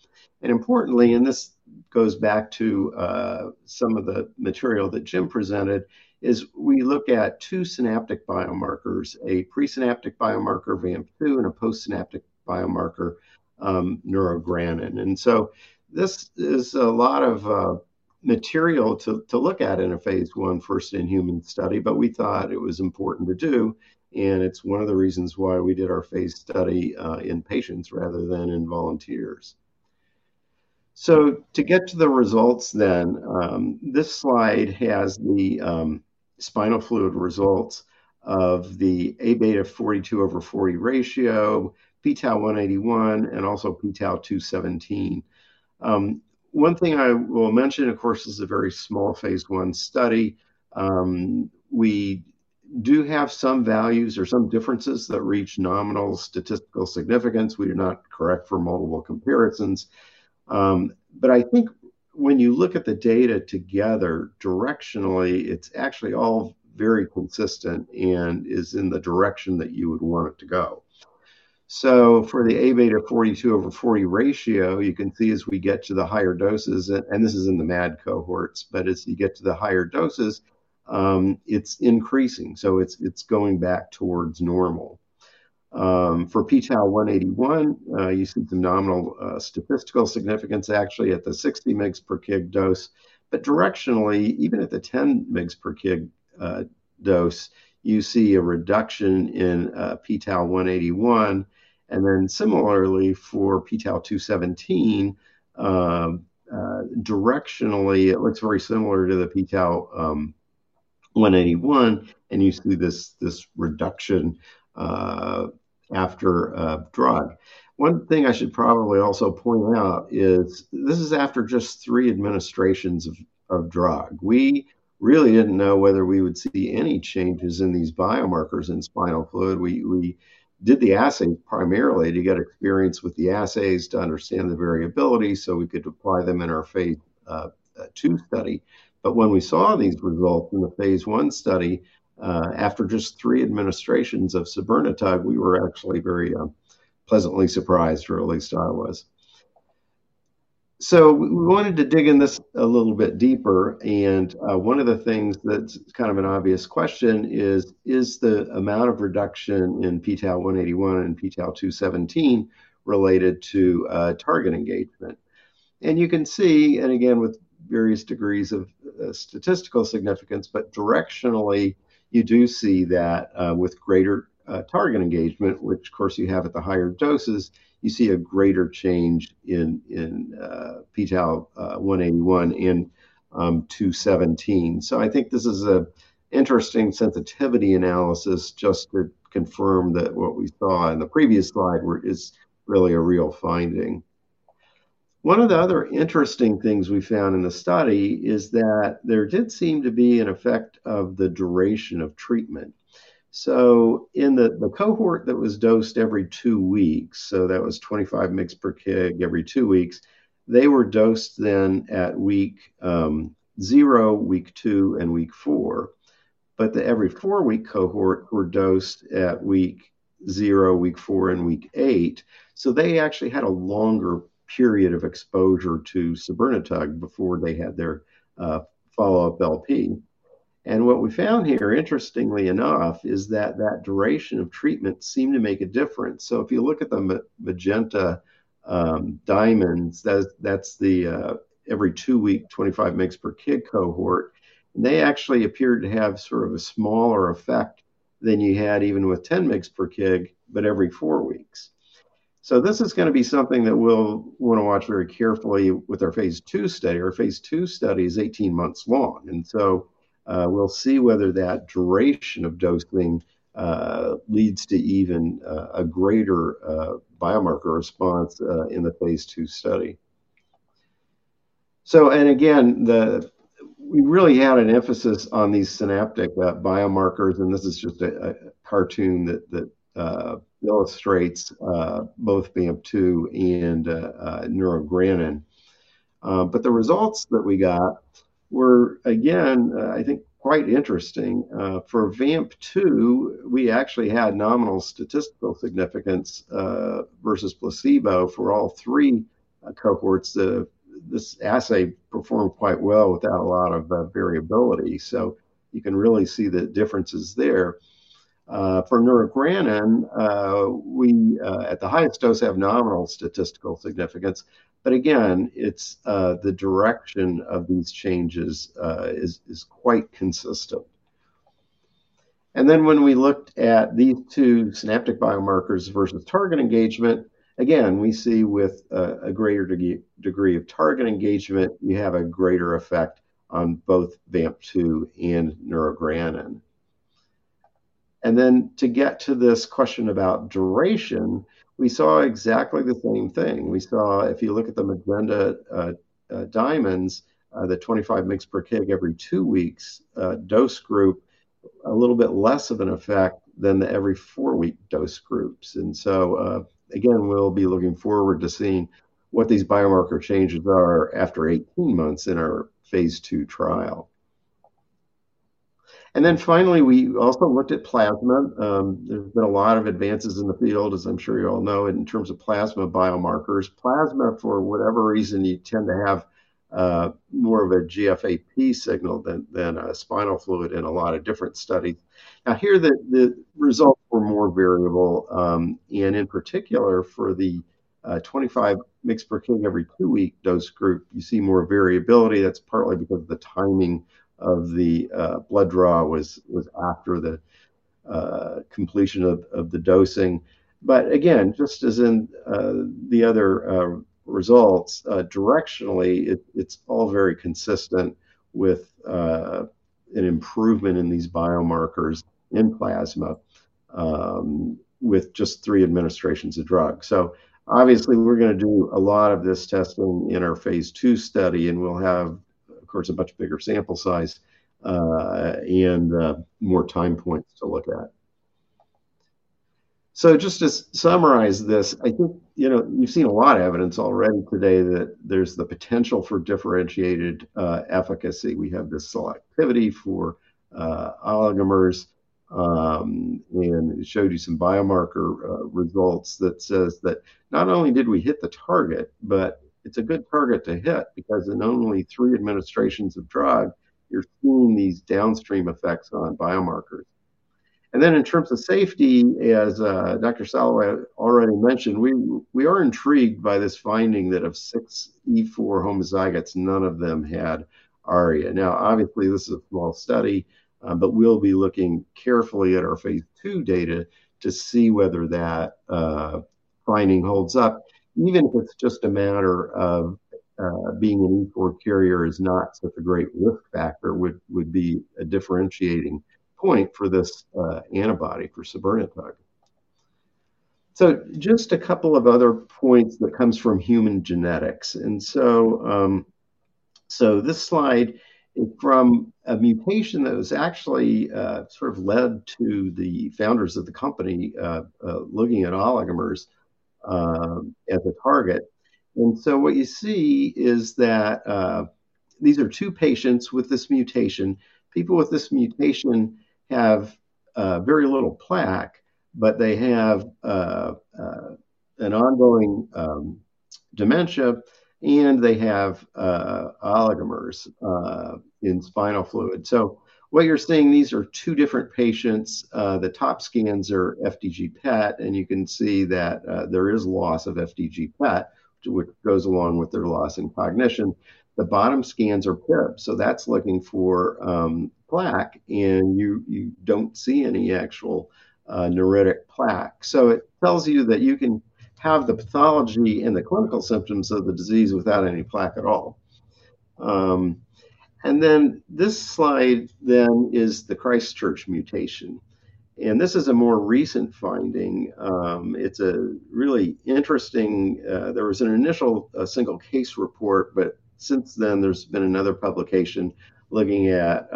And importantly, and this goes back to some of the material that Jim presented, is we look at two synaptic biomarkers, a presynaptic biomarker, VAMP2, and a postsynaptic biomarker, neurogranin. And so this is a lot of material to look at in a phase I first-in-human study, but we thought it was important to do, and it's one of the reasons why we did our phase study in patients rather than in volunteers. So to get to the results then, this slide has the spinal fluid results of the A-beta 42/40 ratio, p-Tau181, and also p-Tau217. One thing I will mention, of course, this is a very small phase I study. We do have some values or some differences that reach nominal statistical significance. We do not correct for multiple comparisons. But I think when you look at the data together directionally, it's actually all very consistent and is in the direction that you would want it to go. So for the A-beta 42/40 ratio, you can see as we get to the higher doses, and this is in the MAD cohorts, but as you get to the higher doses, it's increasing, so it's going back towards normal. For p-Tau181, you see the nominal statistical significance actually at the 60 mg/kg dose. But directionally, even at the 10 mg/kg dose, you see a reduction in p-Tau181. And then similarly for p-Tau217, directionally, it looks very similar to the p-Tau181, and you see this reduction after drug. One thing I should probably also point out is this is after just three administrations of drug. We really didn't know whether we would see any changes in these biomarkers in spinal fluid. We did the assay primarily to get experience with the assays, to understand the variability, so we could apply them in our phase II study. But when we saw these results in the phase I study, after just three administrations of sabirnetug, we were actually very pleasantly surprised, or at least I was. So we wanted to dig into this a little bit deeper, and one of the things that's kind of an obvious question is, is the amount of reduction in p-Tau181 and p-Tau217 related to target engagement? And you can see, and again, with various degrees of statistical significance, but directionally, you do see that with greater target engagement, which of course you have at the higher doses, you see a greater change in p-Tau181 and 217. So I think this is an interesting sensitivity analysis just to confirm that what we saw in the previous slide were... is really a real finding. One of the other interesting things we found in the study is that there did seem to be an effect of the duration of treatment. So in the cohort that was dosed every two weeks, so that was 25 mg/kg every two weeks, they were dosed then at week 0, week 2, and week 4, but the every four-week cohort were dosed at week 0, week 4, and week 8. So they actually had a longer period of exposure to sabirnetug before they had their follow-up LP. And what we found here, interestingly enough, is that that duration of treatment seemed to make a difference. So if you look at the magenta diamonds, that's the every two-week, 25 mg/kg cohort. They actually appeared to have sort of a smaller effect than you had even with 10 mg/kg, but every four weeks. So this is gonna be something that we'll wanna watch very carefully with our phase II study. Our phase II study is 18 months long, and so, we'll see whether that duration of dosing leads to even a greater biomarker response in the phase II study, and again, we really had an emphasis on these synaptic biomarkers, and this is just a cartoon that illustrates both VAMP2 and neurogranin, but the results that we got were again, I think, quite interesting. For VAMP2, we actually had nominal statistical significance versus placebo for all three cohorts. This assay performed quite well without a lot of variability, so you can really see the differences there. For neurogranin, we at the highest dose have nominal statistical significance, but again, it's the direction of these changes is quite consistent. Then, when we looked at the two synaptic biomarkers versus target engagement, again, we see with a greater degree of target engagement, you have a greater effect on both VAMP2 and neurogranin. Then, to get to this question about duration, we saw exactly the same thing. We saw, if you look at the magenta diamonds, the 25 mg per kg every two weeks dose group, a little bit less of an effect than the every four-week dose groups. So, again, we'll be looking forward to seeing what these biomarker changes are after 18 months in our phase II trial. Then finally, we also looked at plasma. There have been a lot of advances in the field, as I'm sure you all know, in terms of plasma biomarkers. Plasma, for whatever reason, you tend to have more of a GFAP signal than a spinal fluid in a lot of different studies. Now, here, the results were more variable, and in particular, for the 25 mg/kg every two-week dose group, you see more variability. That's partly because the timing of the blood draw was after the completion of the dosing. But again, just as in the other results, directionally, it's all very consistent with an improvement in these biomarkers in plasma, with just three administrations of drug. So obviously, we're gonna do a lot of this testing in our phase II study, and we'll have, of course, a much bigger sample size, and more time points to look at. So just to summarize this, I think, you know, you've seen a lot of evidence already today that there's the potential for differentiated efficacy. We have the selectivity for oligomers, and I showed you some biomarker results that says that not only did we hit the target, but it's a good target to hit, because in only three administrations of drug, you're seeing these downstream effects on biomarkers. And then, in terms of safety, as Dr. Salloway already mentioned, we are intrigued by this finding that of six E4 homozygotes, none of them had ARIA. Now, obviously, this is a small study, but we'll be looking carefully at our phase II data to see whether that finding holds up. Even if it's just a matter of being an E4 carrier is not such a great risk factor, would be a differentiating point for this antibody, for sabirnetug. So just a couple of other points that comes from human genetics. And so this slide from a mutation that was actually sort of led to the founders of the company looking at oligomers as a target. And so what you see is that these are two patients with this mutation. People with this mutation have very little plaque, but they have an ongoing dementia, and they have oligomers in spinal fluid. So what you're seeing, these are two different patients. The top scans are FDG PET, and you can see that there is loss of FDG PET, which goes along with their loss in cognition. The bottom scans are PiB, so that's looking for plaque, and you don't see any actual neuritic plaque. So it tells you that you can have the pathology and the clinical symptoms of the disease without any plaque at all. And then this slide is the Christchurch mutation, and this is a more recent finding. It's a really interesting. There was an initial single case report, but since then, there's been another publication looking at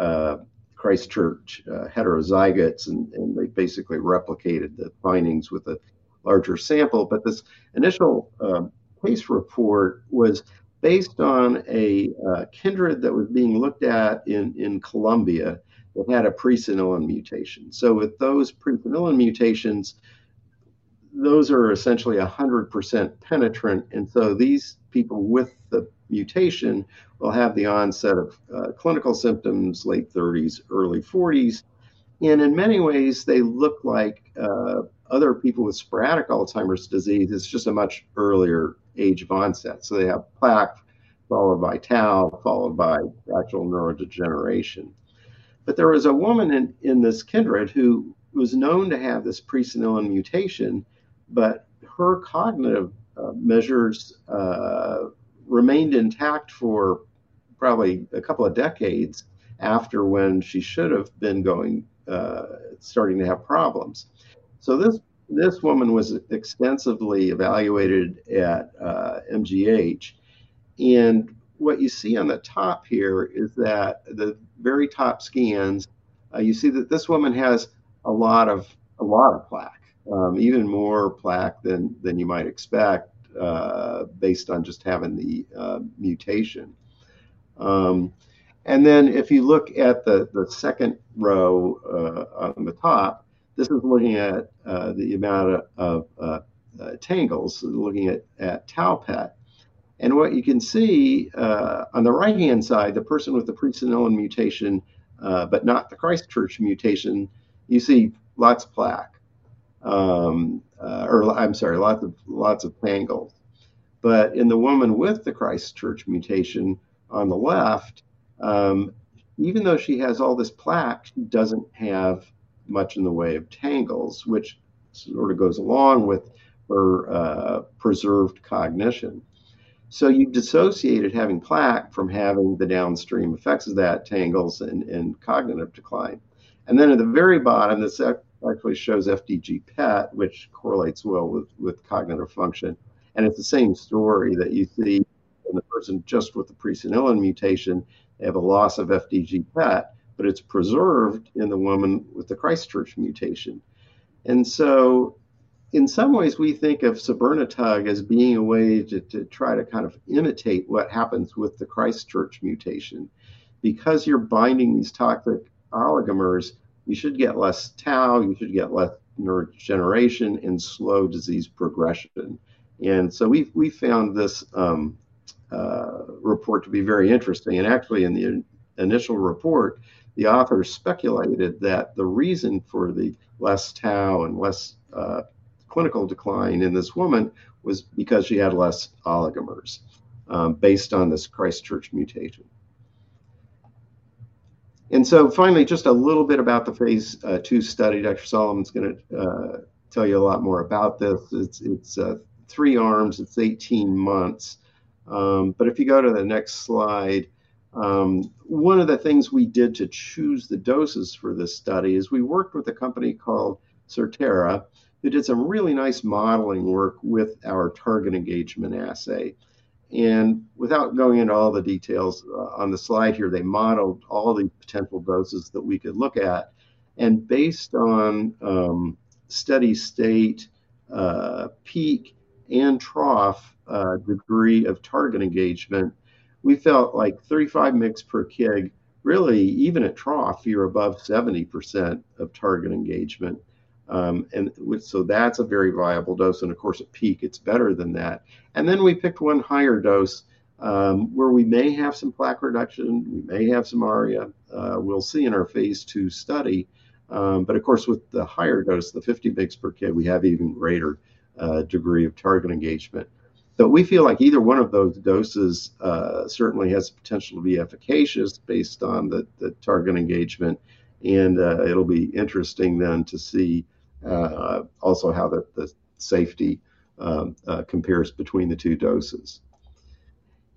Christchurch heterozygotes, and they basically replicated the findings with a larger sample. But this initial case report was based on a kindred that was being looked at in Colombia, that had a presenilin mutation. So with those presenilin mutations, those are essentially 100% penetrant, and so these people with the mutation will have the onset of clinical symptoms, late thirties, early forties. And in many ways, they look like other people with sporadic Alzheimer's disease. It's just a much earlier age of onset. So they have plaque, followed by tau, followed by actual neurodegeneration. But there was a woman in this kindred who was known to have this presenilin mutation, but her cognitive measures remained intact for probably a couple of decades after when she should have been going, starting to have problems. So this woman was extensively evaluated at MGH, and what you see on the top here is that the very top scans, you see that this woman has a lot of plaque. Even more plaque than you might expect based on just having the mutation. And then if you look at the second row on the top, this is looking at the amount of tangles, looking at tau PET. And what you can see on the right-hand side, the person with the presenilin mutation but not the Christchurch mutation, you see lots of plaque. Or I'm sorry, lots of tangles. But in the woman with the Christchurch mutation on the left, even though she has all this plaque, she doesn't have much in the way of tangles, which sort of goes along with her preserved cognition. So you dissociated having plaque from having the downstream effects of that, tangles and cognitive decline. Then at the very bottom, this actually shows FDG PET, which correlates well with cognitive function. It's the same story that you see in the person just with the Presenilin mutation. They have a loss of FDG PET, but it's preserved in the woman with the Christchurch mutation. In some ways, we think of sabirnetug as being a way to try to kind of imitate what happens with the Christchurch mutation. Because you're binding these toxic oligomers, you should get less tau, you should get less neurodegeneration and slow disease progression. We found this report to be very interesting. Actually, in the initial report, the author speculated that the reason for the less tau and less clinical decline in this woman was because she had less oligomers based on this Christchurch mutation. So finally, just a little bit about the phase II study. Dr. Solomon is gonna tell you a lot more about this. It's three arms, 18 months. But if you go to the next slide, one of the things we did to choose the doses for this study is we worked with a company called Certara, who did some really nice modeling work with our target engagement assay. Without going into all the details on the slide here, they modeled all the potential doses that we could look at. Based on steady state, peak, and trough degree of target engagement, we felt like 35 mg/kg, really, even at trough, you're above 70% of target engagement. And so that's a very viable dose, and of course, at peak, it's better than that. And then we picked one higher dose, where we may have some plaque reduction, we may have some ARIA. We'll see in our phase II study. But of course, with the higher dose, the 50 mg/kg, we have even greater degree of target engagement. So we feel like either one of those doses certainly has potential to be efficacious based on the target engagement, and it'll be interesting then to see also how the safety compares between the two doses.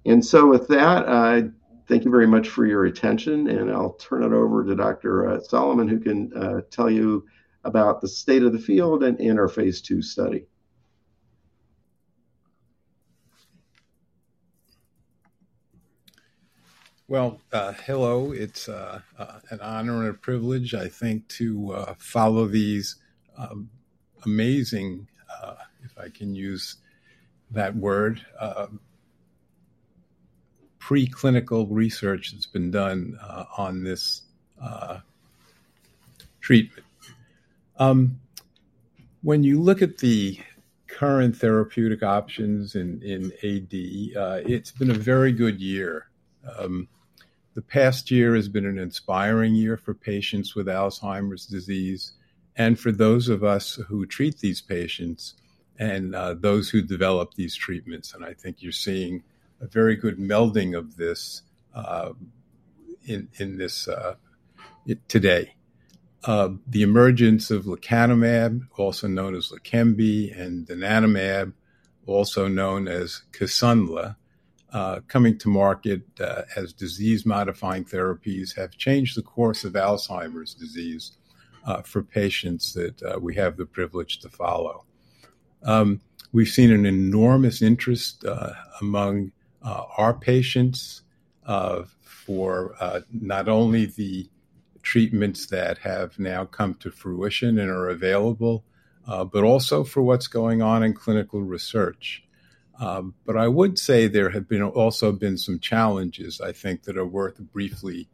And so with that, I thank you very much for your attention, and I'll turn it over to Dr. Solomon, who can tell you about the state of the field and in our phase II study. Hello. It's an honor and a privilege, I think, to follow these amazing, if I can use that word, preclinical research that's been done on this treatment. When you look at the current therapeutic options in AD, it's been a very good year. The past year has been an inspiring year for patients with Alzheimer's disease and for those of us who treat these patients and those who develop these treatments, and I think you're seeing a very good melding of this in this today. The emergence of lecanemab, also known as Leqembi, and donanemab, also known as Kisunla, coming to market as disease-modifying therapies, have changed the course of Alzheimer's disease for patients that we have the privilege to follow. We've seen an enormous interest among our patients for not only the treatments that have now come to fruition and are available, but also for what's going on in clinical research, but I would say there have also been some challenges, I think, that are worth briefly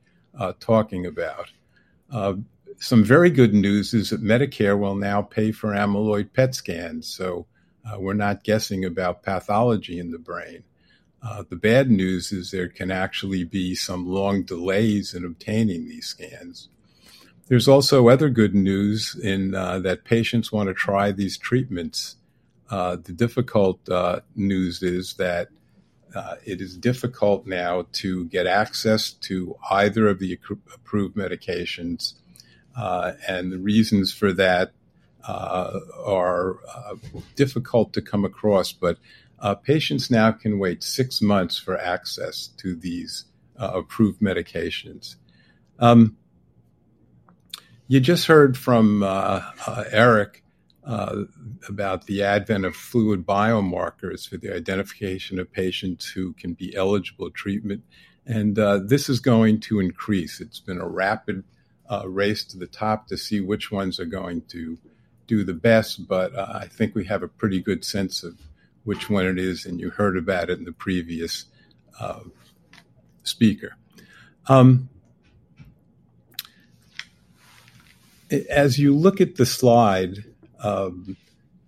talking about. Some very good news is that Medicare will now pay for amyloid PET scans, so we're not guessing about pathology in the brain. The bad news is there can actually be some long delays in obtaining these scans. There's also other good news in that patients wanna try these treatments. The difficult news is that it is difficult now to get access to either of the approved medications. And the reasons for that are difficult to come across, but patients now can wait six months for access to these approved medications. You just heard from Eric about the advent of fluid biomarkers for the identification of patients who can be eligible treatment, and this is going to increase. It's been a rapid race to the top to see which ones are going to do the best, but I think we have a pretty good sense of which one it is, and you heard about it in the previous speaker. As you look at the slide,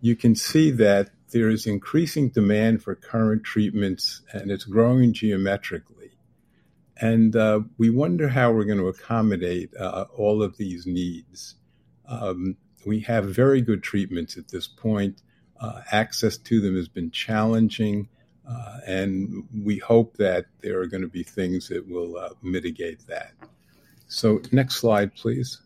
you can see that there is increasing demand for current treatments, and it's growing geometrically. And we wonder how we're gonna accommodate all of these needs. We have very good treatments at this point. Access to them has been challenging, and we hope that there are gonna be things that will mitigate that. Next slide, please.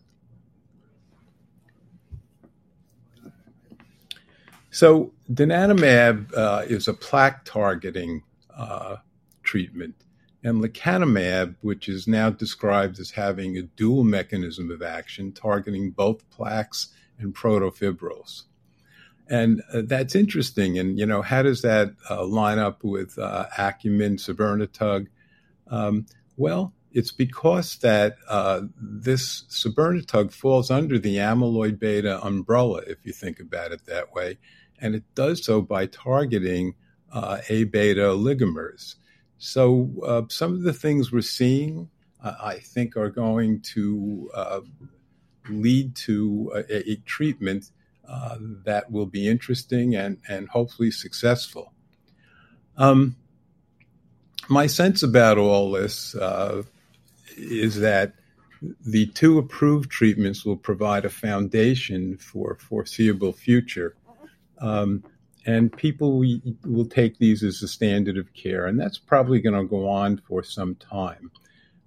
Donanemab is a plaque-targeting treatment, and lecanemab, which is now described as having a dual mechanism of action, targeting both plaques and protofibrils. That's interesting, and you know, how does that line up with Acumen's sabirnetug? It's because that this sabirnetug falls under the amyloid beta umbrella, if you think about it that way, and it does so by targeting A-beta oligomers. Some of the things we're seeing I think are going to lead to a treatment that will be interesting and hopefully successful. My sense about all this is that the two approved treatments will provide a foundation for foreseeable future. And people will take these as the standard of care, and that's probably gonna go on for some time.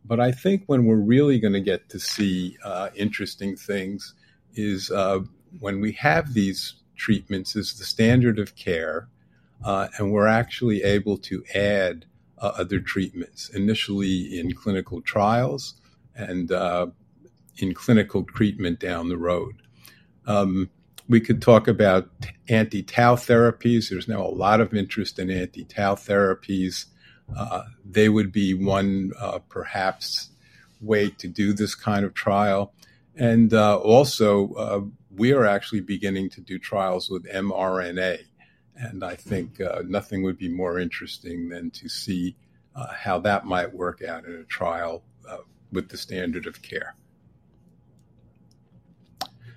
But I think when we're really gonna get to see interesting things is when we have these treatments as the standard of care, and we're actually able to add other treatments, initially in clinical trials and in clinical treatment down the road. We could talk about anti-tau therapies. There's now a lot of interest in anti-tau therapies. They would be one perhaps way to do this kind of trial. And also we are actually beginning to do trials with mRNA, and I think nothing would be more interesting than to see how that might work out in a trial with the standard of care.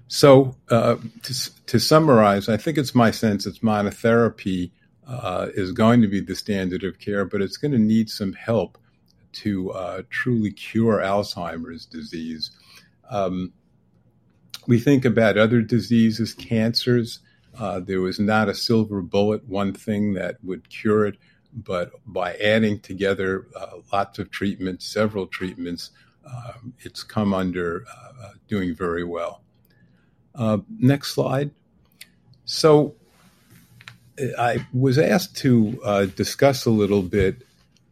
To summarize, I think it's my sense that monotherapy is going to be the standard of care, but it's gonna need some help to truly cure Alzheimer's disease. We think about other diseases, cancers. There was not a silver bullet, one thing that would cure it, but by adding together lots of treatments, several treatments, it's come under doing very well. Next slide. I was asked to discuss a little bit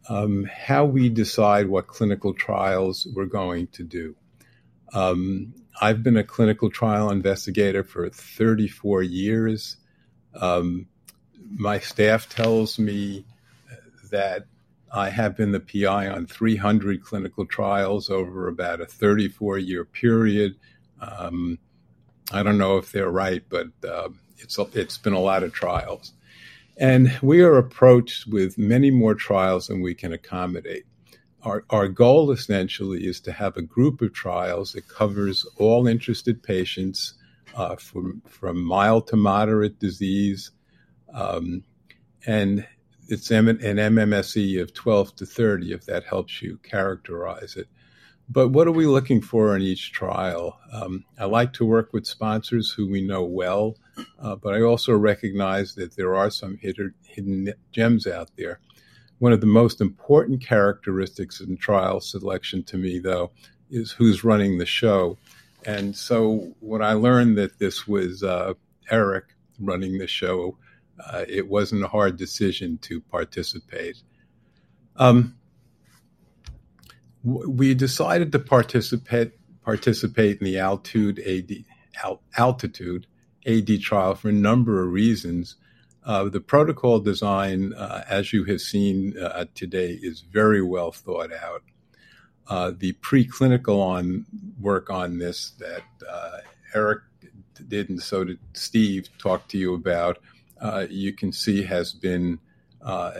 how we decide what clinical trials we're going to do. I've been a clinical trial investigator for thirty-four years. My staff tells me that I have been the PI on 300 clinical trials over about a 34-year period. I don't know if they're right, but it's been a lot of trials. We are approached with many more trials than we can accommodate. Our goal, essentially, is to have a group of trials that covers all interested patients, from mild to moderate disease, and it's an MMSE of 12-30, if that helps you characterize it. What are we looking for in each trial? I like to work with sponsors who we know well, but I also recognize that there are some hidden gems out there. One of the most important characteristics in trial selection to me, though, is who's running the show. When I learned that this was Eric running the show, it wasn't a hard decision to participate. We decided to participate in the ALTITUDE-AD trial for a number of reasons. The protocol design, as you have seen today, is very well thought out. The preclinical work on this that Eric did, and so did Steve talk to you about, you can see has been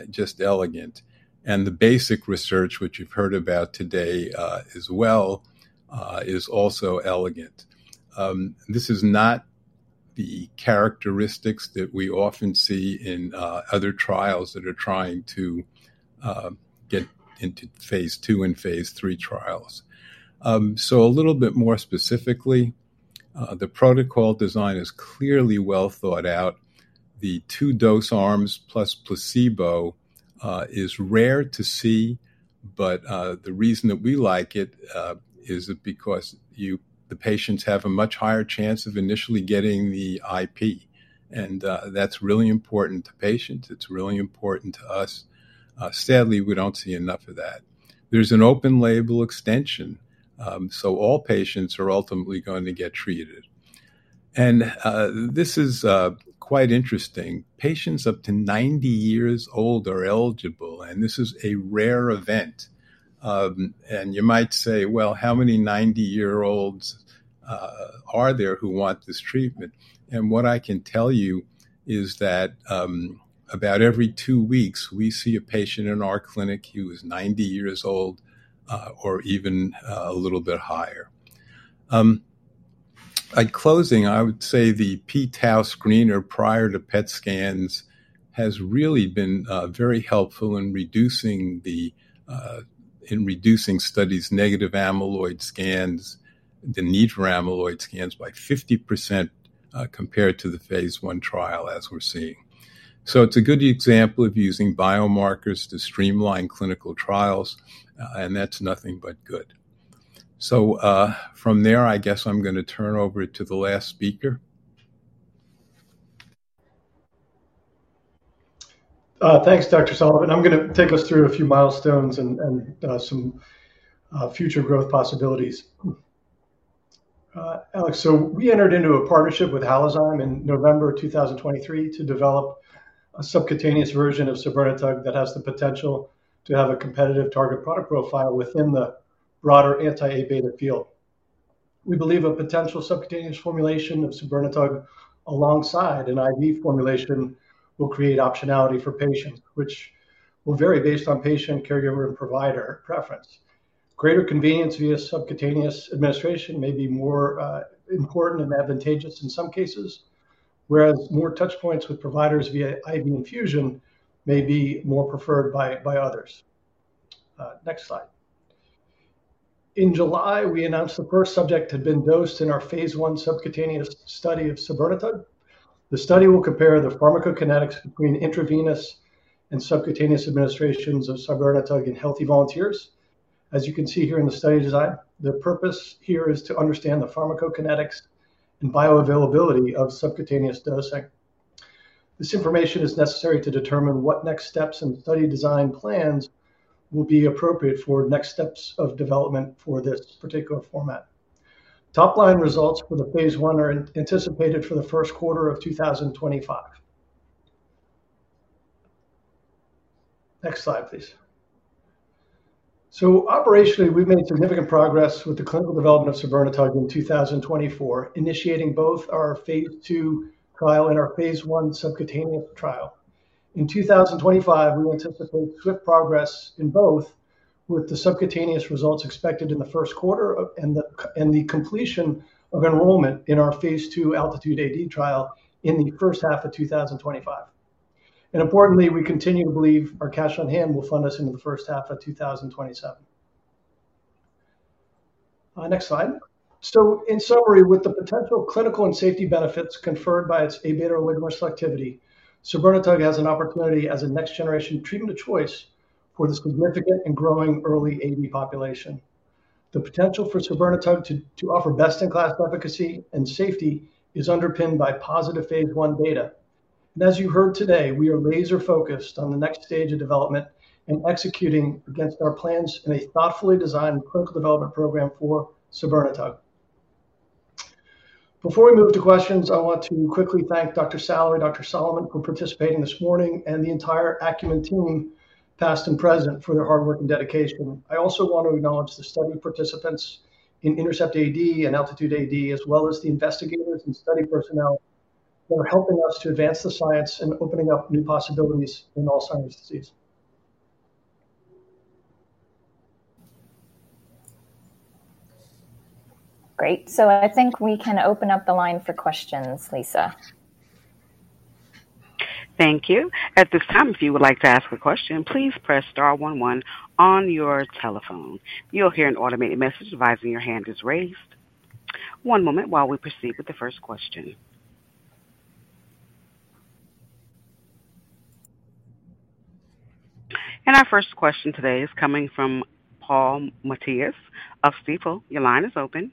just elegant. And the basic research, which you've heard about today as well, is also elegant. This is not the characteristics that we often see in other trials that are trying to get into phase II and phase III trials. So a little bit more specifically, the protocol design is clearly well thought out. The two dose arms plus placebo is rare to see, but the reason that we like it is because the patients have a much higher chance of initially getting the IP, and that's really important to patients. It's really important to us. Sadly, we don't see enough of that. There's an open label extension, so all patients are ultimately going to get treated. And this is quite interesting. Patients up to ninety years old are eligible, and this is a rare event. And you might say, "Well, how many 90-year-olds are there who want this treatment?" And what I can tell you is that about every two weeks, we see a patient in our clinic who is 90 years old or even a little bit higher. At closing, I would say the p-Tau screener prior to PET scans has really been very helpful in reducing the in reducing studies' negative amyloid scans, the need for amyloid scans by 50% compared to the phase I trial, as we're seeing. So it's a good example of using biomarkers to streamline clinical trials, and that's nothing but good. So, from there, I guess I'm gonna turn over to the last speaker. Thanks, Dr. Solomon. I'm gonna take us through a few milestones and some future growth possibilities. Alex, so we entered into a partnership with Halozyme in November 2023 to develop a subcutaneous version of sabirnetug that has the potential to have a competitive target product profile within the broader anti-A-beta field. We believe a potential subcutaneous formulation of sabirnetug, alongside an IV formulation, will create optionality for patients, which will vary based on patient, caregiver, and provider preference. Greater convenience via subcutaneous administration may be more important and advantageous in some cases, whereas more touch points with providers via IV infusion may be more preferred by others. Next slide. In July, we announced the first subject had been dosed in our phase I subcutaneous study of sabirnetug. The study will compare the pharmacokinetics between intravenous and subcutaneous administrations of sabirnetug in healthy volunteers. As you can see here in the study design, the purpose here is to understand the pharmacokinetics and bioavailability of subcutaneous dosing. This information is necessary to determine what next steps and study design plans will be appropriate for next steps of development for this particular format. Top-line results for the phase I are anticipated for the first quarter of 2025. Next slide, please. Operationally, we've made significant progress with the clinical development of sabirnetug in 2024, initiating both our phase II trial and our phase I subcutaneous trial. In 2025, we anticipate quick progress in both, with the subcutaneous results expected in the first quarter and the completion of enrollment in our phase II ALTITUDE-AD trial in the first half of 2025. Importantly, we continue to believe our cash on hand will fund us into the first half of 2027. Next slide. In summary, with the potential clinical and safety benefits conferred by its A-beta ligand selectivity, sabirnetug has an opportunity as a next generation treatment of choice for the significant and growing early AD population. The potential for sabirnetug to offer best-in-class efficacy and safety is underpinned by positive phase I data. As you heard today, we are laser focused on the next stage of development and executing against our plans in a thoughtfully designed clinical development program for sabirnetug. Before we move to questions, I want to quickly thank Dr. Salloway and Dr. Solomon for participating this morning and the entire Acumen team, past and present, for their hard work and dedication. I also want to acknowledge the study participants in INTERCEPT-AD and ALTITUDE-AD, as well as the investigators and study personnel who are helping us to advance the science and opening up new possibilities in Alzheimer's disease. Great. So I think we can open up the line for questions, Lisa. Thank you. At this time, if you would like to ask a question, please press star one one on your telephone. You'll hear an automated message advising your hand is raised. One moment while we proceed with the first question. And our first question today is coming from Paul Matteis of Stifel. Your line is open.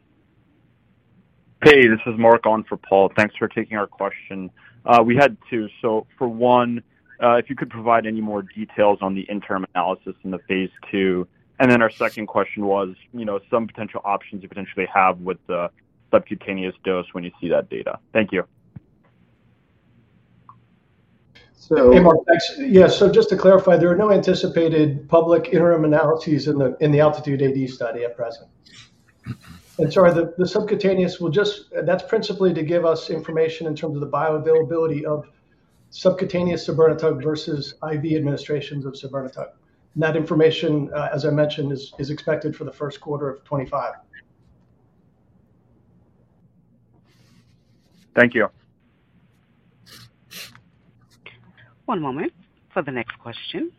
Hey, this is Mark on for Paul. Thanks for taking our question. We had two. So for one, if you could provide any more details on the interim analysis in the phase II? And then our second question was, you know, some potential options you potentially have with the subcutaneous dose when you see that data. Thank you. Just to clarify, there are no anticipated public interim analyses in the ALTITUDE-AD study at present. And sorry, the subcutaneous will just principally to give us information in terms of the bioavailability of subcutaneous sabirnetug versus IV administrations of sabirnetug. And that information, as I mentioned, is expected for the first quarter of 2025. Thank you. One moment for the next question.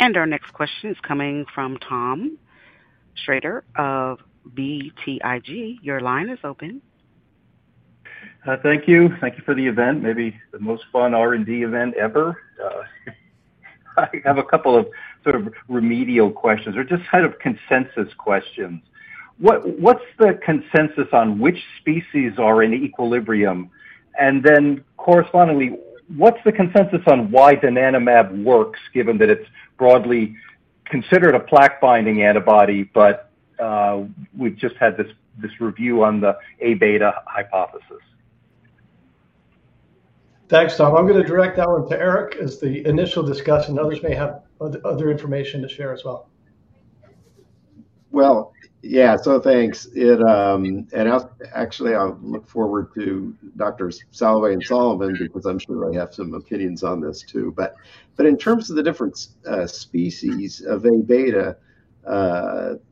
Our next question is coming from Tom Schrader of BTIG. Your line is open. Thank you. Thank you for the event. Maybe the most fun R&D event ever. I have a couple of sort of remedial questions or just kind of consensus questions. What's the consensus on which species are in equilibrium? And then correspondingly, what's the consensus on why donanemab works, given that it's broadly considered a plaque-binding antibody, but we've just had this review on the A-beta hypothesis? Thanks, Tom. I'm gonna direct that one to Eric as the initial discussant. Others may have other information to share as well. Yeah, so thanks. And actually, I look forward to Doctors Salloway and Solomon, because I'm sure I have some opinions on this too. But in terms of the different species of A-beta,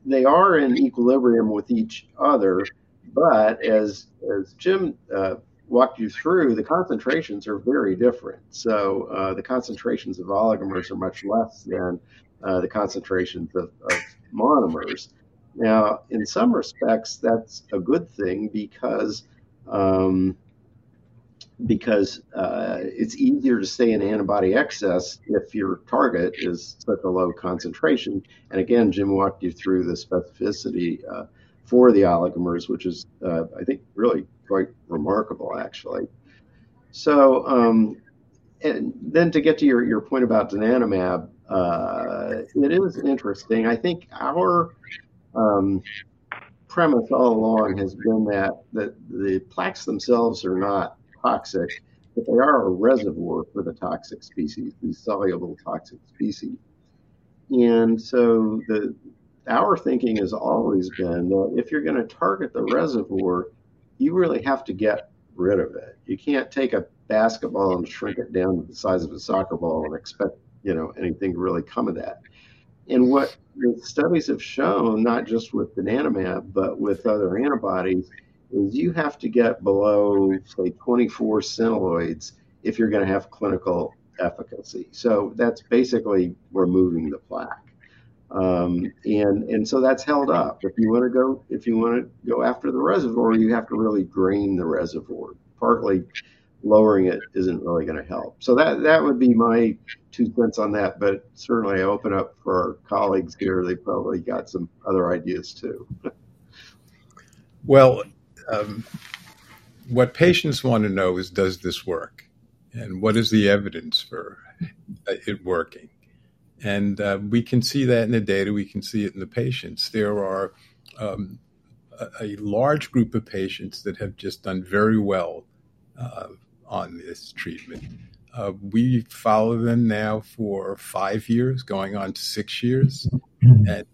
they are in equilibrium with each other, but as Jim walked you through, the concentrations are very different. So the concentrations of oligomers are much less than the concentrations of monomers. Now, in some respects, that's a good thing because it's easier to stay in antibody excess if your target is at the low concentration. And again, Jim walked you through the specificity for the oligomers, which is, I think, really quite remarkable, actually. And then to get to your point about donanemab, it is interesting. I think our premise all along has been that the plaques themselves are not toxic, but they are a reservoir for the toxic species, these soluble toxic species, and so our thinking has always been that if you're gonna target the reservoir, you really have to get rid of it. You can't take a basketball and shrink it down to the size of a soccer ball and expect, you know, anything to really come of that, and what the studies have shown, not just with donanemab, but with other antibodies, is you have to get below, say, 24 Centiloids if you're gonna have clinical efficacy, so that's basically removing the plaque, and so that's held up. If you wanna go after the reservoir, you have to really drain the reservoir. Partly, lowering it isn't really gonna help. So that would be my two cents on that, but certainly open up for our colleagues here. They've probably got some other ideas, too. Well, what patients want to know is, does this work and what is the evidence for it working? We can see that in the data. We can see it in the patients. There are a large group of patients that have just done very well on this treatment. We follow them now for five years, going on to six years, and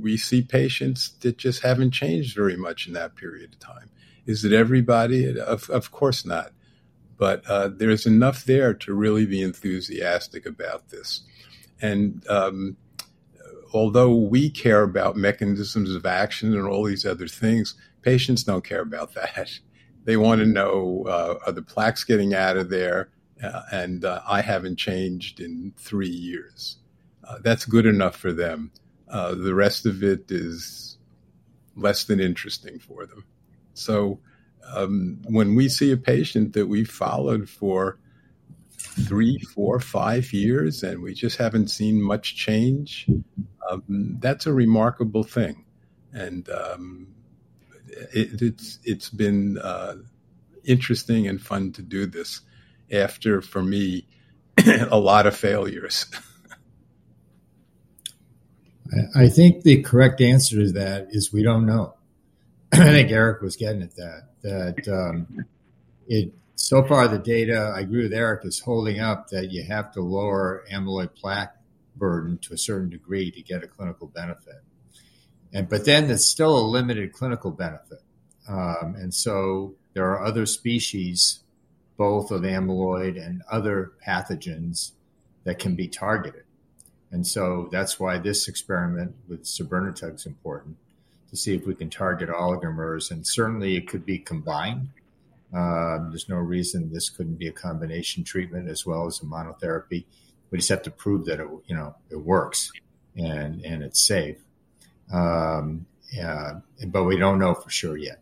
we see patients that just haven't changed very much in that period of time. Is it everybody? Of course not, but there is enough there to really be enthusiastic about this, and although we care about mechanisms of action and all these other things, patients don't care about that. They want to know, are the plaques getting out of there, and I haven't changed in three years. That's good enough for them. The rest of it is less than interesting for them. So when we see a patient that we followed for three, four, five years, and we just haven't seen much change, that's a remarkable thing. And it's been interesting and fun to do this after, for me, a lot of failures. I think the correct answer to that is we don't know. I think Eric was getting at that, so far, the data, I agree with Eric, is holding up, that you have to lower amyloid plaque burden to a certain degree to get a clinical benefit. And but then there's still a limited clinical benefit. And so there are other species, both of amyloid and other pathogens, that can be targeted. And so that's why this experiment with sabirnetug is important, to see if we can target oligomers, and certainly it could be combined. There's no reason this couldn't be a combination treatment as well as a monotherapy. We just have to prove that it, you know, it works and it's safe. But we don't know for sure yet.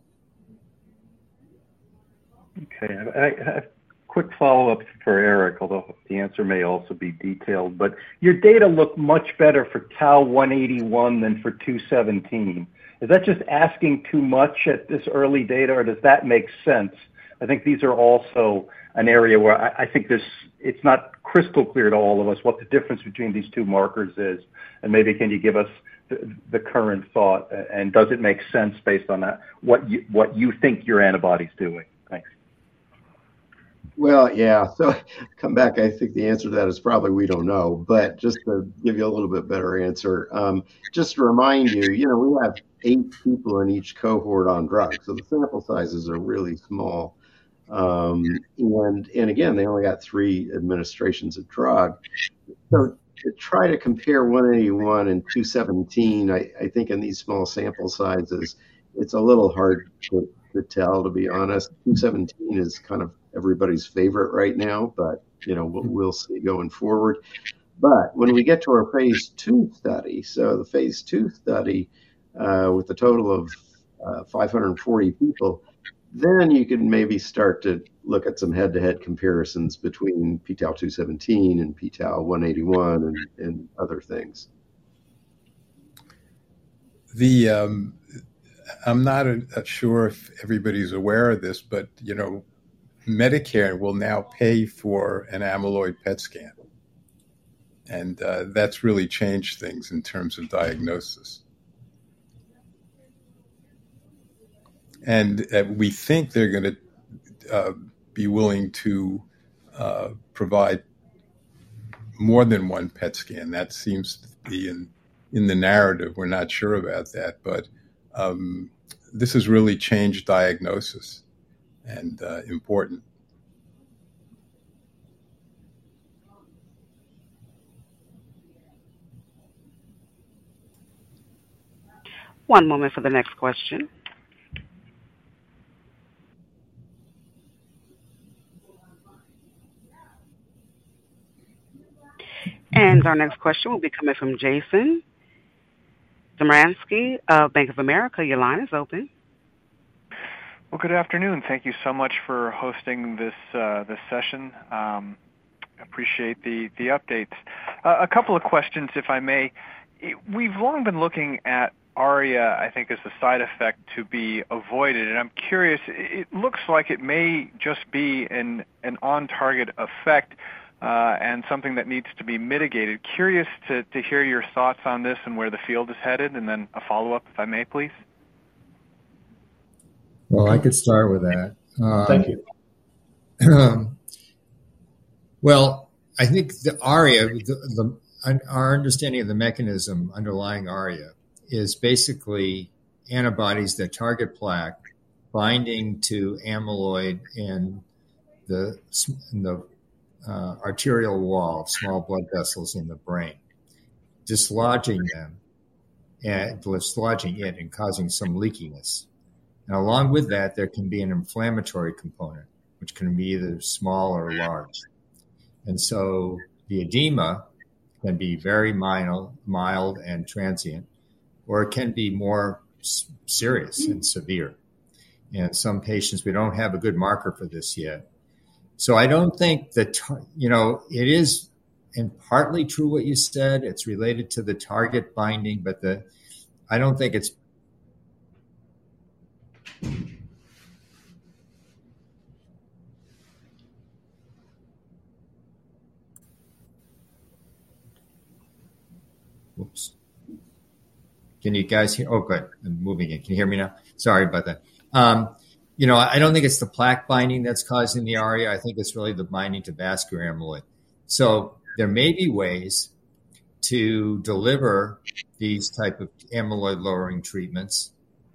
Okay. Quick follow-up for Eric, although the answer may also be detailed, but your data looked much better for Tau181 than for 217. Is that just asking too much at this early data, or does that make sense? I think these are also an area where I think this, it's not crystal clear to all of us what the difference between these two markers is, and maybe can you give us the current thought, and does it make sense based on that, what you think your antibody's doing? Thanks. Yeah. So come back, I think the answer to that is probably we don't know. But just to give you a little bit better answer, just to remind you, you know, we have eight people in each cohort on drug, so the sample sizes are really small. And again, they only got three administrations of drug. So to try to compare 181 and 217, I think in these small sample sizes, it's a little hard to tell, to be honest. Two-seventeen is kind of everybody's favorite right now, but, you know, we'll see going forward. But when we get to our phase II study, so the phase II study with a total of 540 people, then you can maybe start to look at some head-to-head comparisons between p-Tau217 and p-Tau181 and other things. I'm not sure if everybody's aware of this, but you know, Medicare will now pay for an amyloid PET scan, and that's really changed things in terms of diagnosis, and we think they're gonna be willing to provide more than one PET scan. That seems to be in the narrative. We're not sure about that, but this has really changed diagnosis, and important. One moment for the next question. Our next question will be coming from Jason Zemansky of Bank of America. Your line is open. Good afternoon. Thank you so much for hosting this session. Appreciate the updates. A couple of questions, if I may. We've long been looking at ARIA, I think, as a side effect to be avoided, and I'm curious. It looks like it may just be an on-target effect, and something that needs to be mitigated. Curious to hear your thoughts on this and where the field is headed, and then a follow-up, if I may, please. I could start with that. Thank you. I think the ARIA. Our understanding of the mechanism underlying ARIA is basically antibodies that target plaque binding to amyloid in the arterial wall, small blood vessels in the brain, dislodging them and dislodging it and causing some leakiness. Now, along with that, there can be an inflammatory component, which can be either small or large. And so the edema can be very mild and transient, or it can be more serious and severe. In some patients, we don't have a good marker for this yet. So I don't think. You know, it is, and partly true what you said, it's related to the target binding, but the, I don't think it's... Can you guys hear? Oh, good. I'm moving again. Can you hear me now? Sorry about that. You know, I don't think it's the plaque binding that's causing the ARIA. I think it's really the binding to vascular amyloid. So there may be ways to deliver these type of amyloid-lowering treatments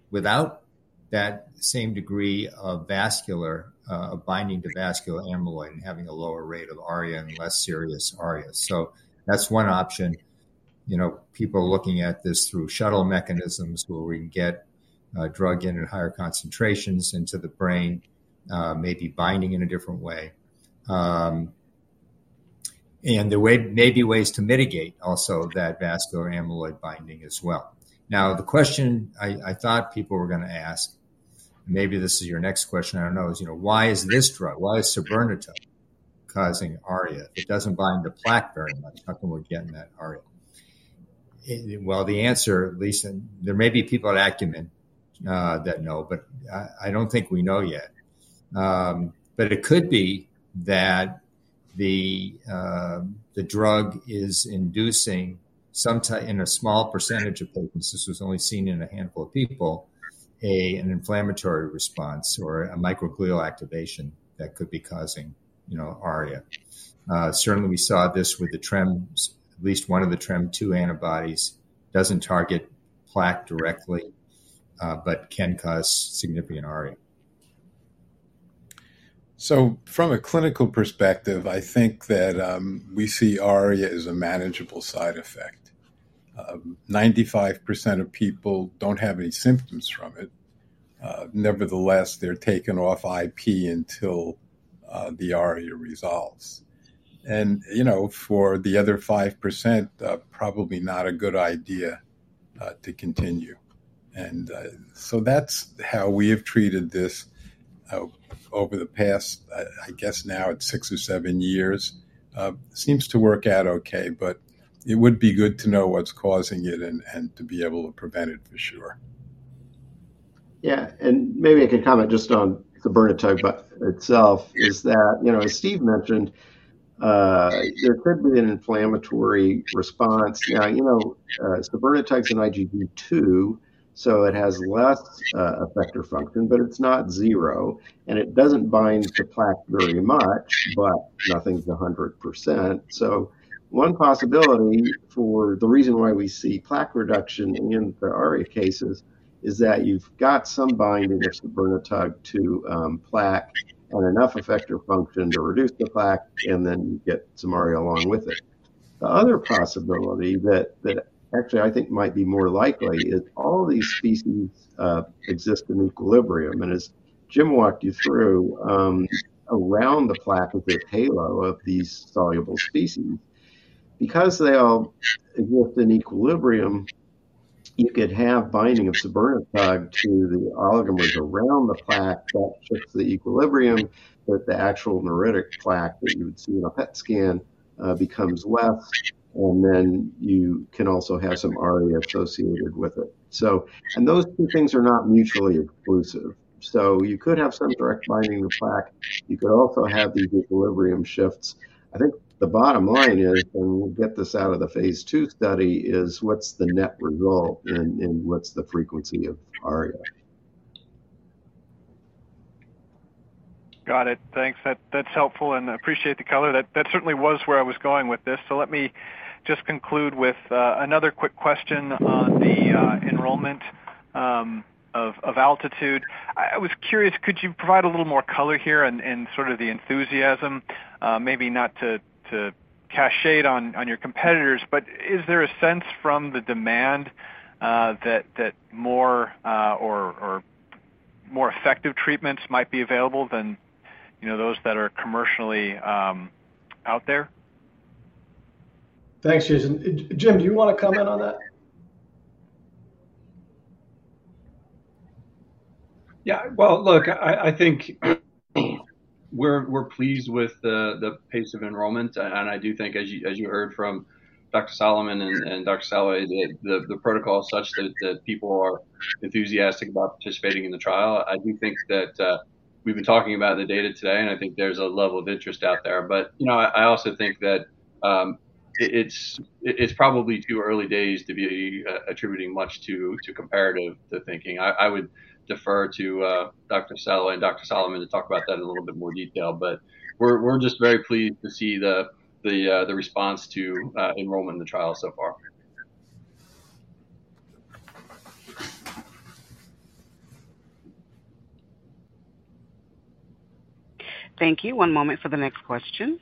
without that same degree of vascular, of binding to vascular amyloid and having a lower rate of ARIA and less serious ARIA. So that's one option. You know, people are looking at this through shuttle mechanisms where we can get drug in at higher concentrations into the brain, maybe binding in a different way. And there may be ways to mitigate also that vascular amyloid binding as well. Now, the question I thought people were gonna ask, maybe this is your next question, I don't know, is, you know, why is this drug, why is sabirnetug causing ARIA? It doesn't bind the plaque very much. How come we're getting that ARIA? Well, the answer, at least, and there may be people at Acumen that know, but I don't think we know yet. But it could be that the drug is inducing sometime in a small percentage of patients. This was only seen in a handful of people, an inflammatory response or a microglial activation that could be causing, you know, ARIA. Certainly, we saw this with the TREM2, at least one of the TREM2 antibodies doesn't target plaque directly, but can cause significant ARIA. So from a clinical perspective, I think that we see ARIA as a manageable side effect. Nine-five percent of people don't have any symptoms from it. Nevertheless, they're taken off IP until the ARIA resolves. And, you know, for the other 5%, probably not a good idea to continue. And, so that's how we have treated this over the past, I guess now it's six or seven years. Seems to work out okay, but it would be good to know what's causing it and, and to be able to prevent it, for sure. Yeah, and maybe I can comment just on sabirnetug itself, is that, you know, as Steve mentioned, there could be an inflammatory response. Now, you know, sabirnetug is an IgG2, so it has less effector function, but it's not zero, and it doesn't bind to plaque very much, but nothing's 100%. So one possibility for the reason why we see plaque reduction in the ARIA cases is that you've got some binding of sabirnetug to plaque and enough effector function to reduce the plaque, and then you get some ARIA along with it. The other possibility that actually I think might be more likely is all these species exist in equilibrium, and as Jim walked you through, around the plaque with this halo of these soluble species. Because they all exist in equilibrium, you could have binding of sabirnetug to the oligomers around the plaque. That shifts the equilibrium, but the actual neuritic plaque that you would see in a PET scan becomes less, and then you can also have some ARIA associated with it. So, and those two things are not mutually exclusive. So you could have some direct binding to plaque. You could also have these equilibrium shifts. I think the bottom line is, and we'll get this out of the phase II study, is what's the net result and, and what's the frequency of ARIA? Got it. Thanks. That, that's helpful, and I appreciate the color. That certainly was where I was going with this. So let me just conclude with another quick question on the enrollment of ALTITUDE. I was curious, could you provide a little more color here and sort of the enthusiasm? Maybe not to cash in on your competitors, but is there a sense from the demand that more or more effective treatments might be available than, you know, those that are commercially out there? Thanks, Jason. Jim, do you wanna comment on that? Yeah. Well, look, I think we're pleased with the pace of enrollment, and I do think as you heard from Dr. Solomon and Dr. Salloway, the protocol is such that people are enthusiastic about participating in the trial. I do think that we've been talking about the data today, and I think there's a level of interest out there. But you know, I also think that it's probably too early days to be attributing much to comparative thinking. I would defer to Dr. Salloway and Dr. Solomon to talk about that in a little bit more detail, but we're just very pleased to see the response to enrollment in the trial so far. Thank you. One moment for the next question.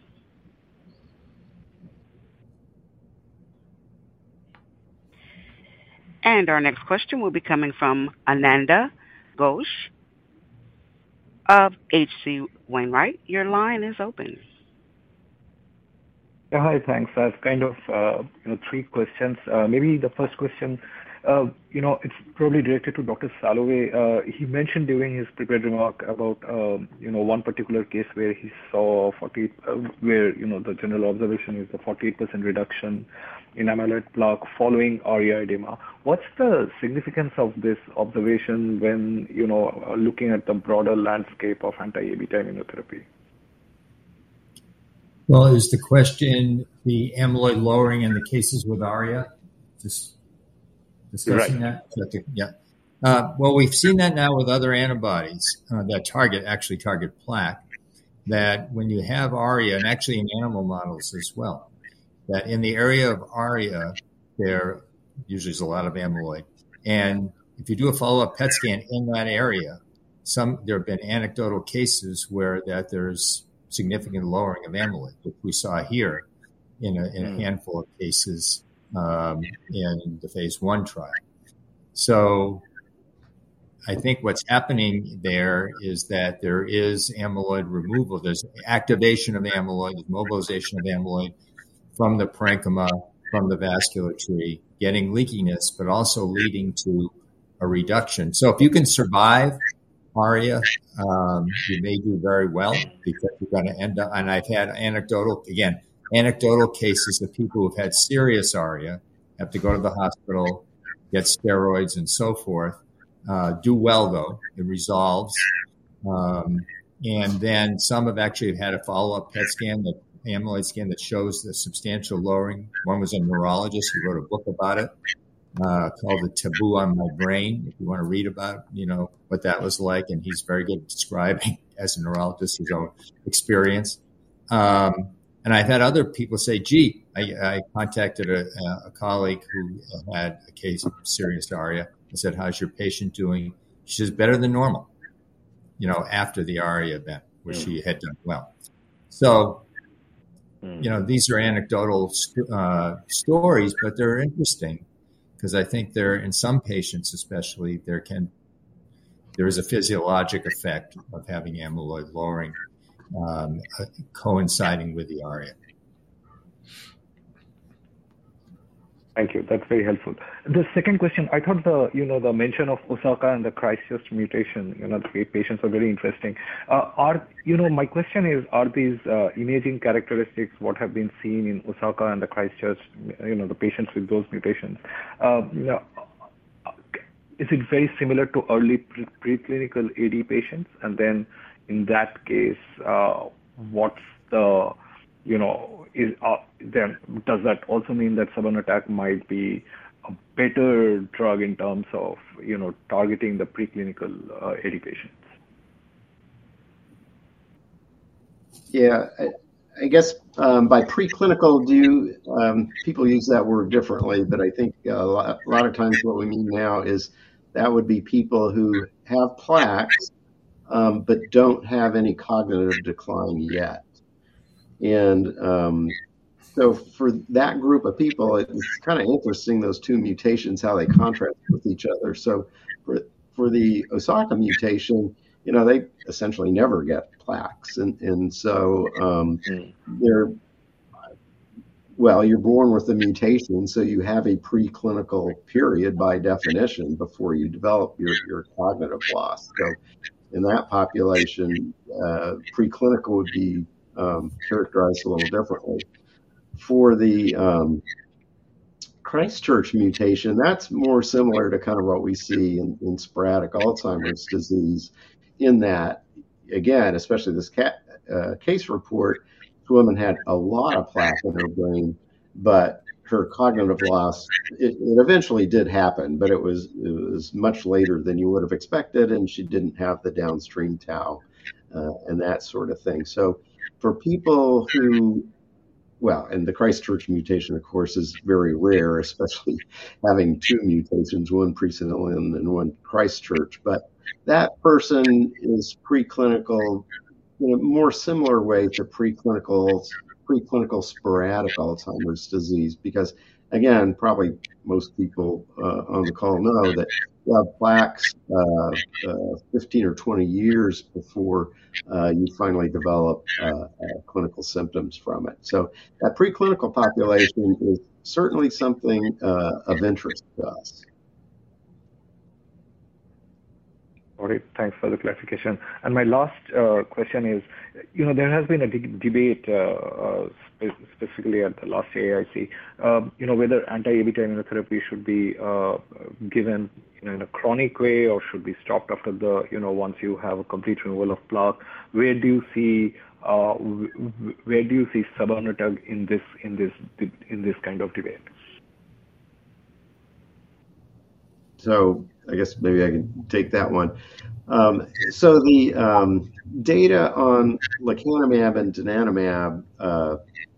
And our next question will be coming from Ananda Ghosh of HC Wainwright. Your line is open. Yeah, hi. Thanks. I have kind of, you know, three questions. Maybe the first question, you know, it's probably directed to Dr. Salloway. He mentioned during his prepared remark about, you know, one particular case where, you know, the general observation is a 48% reduction in amyloid plaque following ARIA edema. What's the significance of this observation when, you know, looking at the broader landscape of anti-amyloid immunotherapy? Is the question the amyloid lowering in the cases with ARIA? Just- Correct. Discussing that? Yeah. Well, we've seen that now with other antibodies that target, actually target plaque, that when you have ARIA, and actually in animal models as well, that in the area of ARIA, there usually is a lot of amyloid. And if you do a follow-up PET scan in that area, there have been anecdotal cases where there's significant lowering of amyloid, like we saw here in a handful of cases, in the phase I trial. So I think what's happening there is that there is amyloid removal. There's activation of amyloid, mobilization of amyloid from the parenchyma, from the vasculature, getting leakiness, but also leading to a reduction. So if you can survive ARIA, you may do very well because you're gonna end up... And I've had anecdotal, again, anecdotal cases of people who have had serious ARIA, have to go to the hospital, get steroids and so forth, do well, though. It resolves. And then some have actually had a follow-up PET scan, the amyloid scan that shows the substantial lowering. One was a neurologist. He wrote a book about it, called A Tattoo on My Brain. If you wanna read about, you know, what that was like, and he's very good at describing as a neurologist, his own experience. And I've had other people say, "Gee," I contacted a colleague who had a case of serious ARIA. I said: "How's your patient doing?" She says, "Better than normal," you know, after the ARIA event, where she had done well. Mm-hmm. So, you know, these are anecdotal stories, but they're interesting because I think they're in some patients especially, there is a physiologic effect of having amyloid lowering coinciding with the ARIA. Thank you. That's very helpful. The second question, I thought the, you know, the mention of Osaka and the Christchurch mutation, you know, the three patients are very interesting. You know, my question is, are these imaging characteristics, what have been seen in Osaka and the Christchurch, you know, the patients with those mutations, you know, is it very similar to early preclinical AD patients? And then in that case, what's the, you know, then does that also mean that lecanemab might be a better drug in terms of, you know, targeting the preclinical AD patients? Yeah, I guess by preclinical, people use that word differently, but I think a lot of times what we mean now is that would be people who have plaques, but don't have any cognitive decline yet. So for that group of people, it's kinda interesting, those two mutations, how they contrast with each other. So for the Osaka mutation, you know, they essentially never get plaques, and so well, you're born with a mutation, so you have a preclinical period, by definition, before you develop your cognitive loss. So in that population, preclinical would be characterized a little differently. For the Christchurch mutation, that's more similar to kind of what we see in sporadic Alzheimer's disease. In that, again, especially this case report, the woman had a lot of plaques in her brain, but her cognitive loss, it, it eventually did happen, but it was, it was much later than you would have expected, and she didn't have the downstream tau, and that sort of thing. So for people who., well, and the Christchurch mutation, of course, is very rare, especially having two mutations, one presenilin and one Christchurch. But that person is preclinical in a more similar way to preclinical sporadic Alzheimer's disease. Because, again, probably most people on the call know that you have plaques 15 or 20 years before you finally develop clinical symptoms from it. So that preclinical population is certainly something of interest to us. All right. Thanks for the clarification. And my last question is, you know, there has been a big debate, specifically at the last AAIC, you know, whether anti-amyloid therapy should be given, you know, in a chronic way or should be stopped after the, you know, once you have a complete removal of plaque. Where do you see sabirnetug in this kind of debate? I guess maybe I can take that one. So the data on lecanemab and donanemab,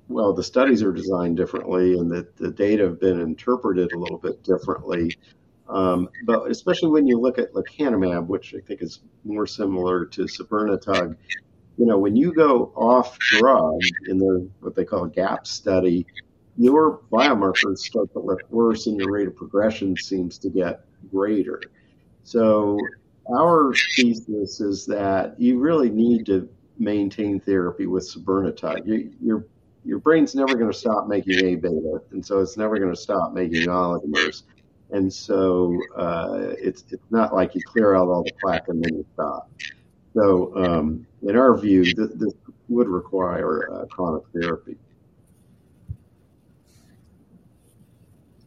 well, the studies are designed differently, and the data have been interpreted a little bit differently. But especially when you look at lecanemab, which I think is more similar to sabirnetug, you know, when you go off drug in their, what they call a gap study, your biomarkers start to look worse, and your rate of progression seems to get greater. So our thesis is that you really need to maintain therapy with sabirnetug. Your brain's never gonna stop making A- beta, and so it's never gonna stop making oligomers. And so, it's not like you clear out all the plaque and then you stop. So, in our view, this would require a chronic therapy.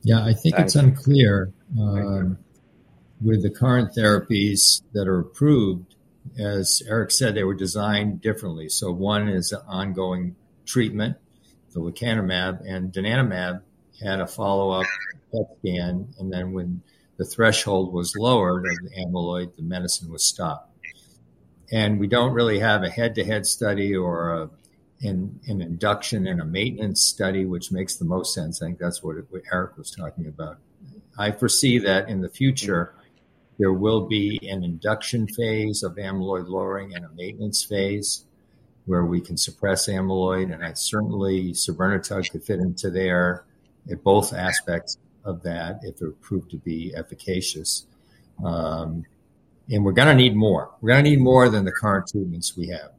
Yeah, I think it's unclear with the current therapies that are approved. As Eric said, they were designed differently. So one is an ongoing treatment, the lecanemab, and donanemab had a follow-up scan, and then when the threshold was lowered of the amyloid, the medicine was stopped. And we don't really have a head-to-head study or an induction and a maintenance study, which makes the most sense. I think that's what Eric was talking about. I foresee that in the future, there will be an induction phase of amyloid lowering and a maintenance phase where we can suppress amyloid, and that certainly sabirnetug could fit into there, in both aspects of that, if they're proved to be efficacious. And we're gonna need more. We're gonna need more than the current treatments we have.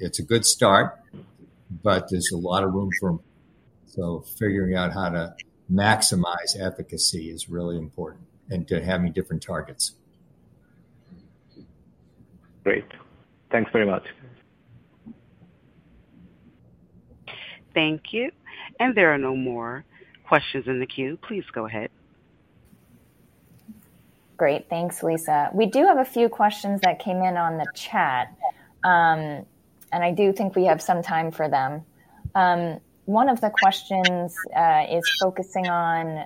It's a good start, but there's a lot of room for improvement, so figuring out how to maximize efficacy is really important and to having different targets. Great. Thanks very much. Thank you. And there are no more questions in the queue. Please go ahead. Great. Thanks, Lisa. We do have a few questions that came in on the chat, and I do think we have some time for them. One of the questions is focusing on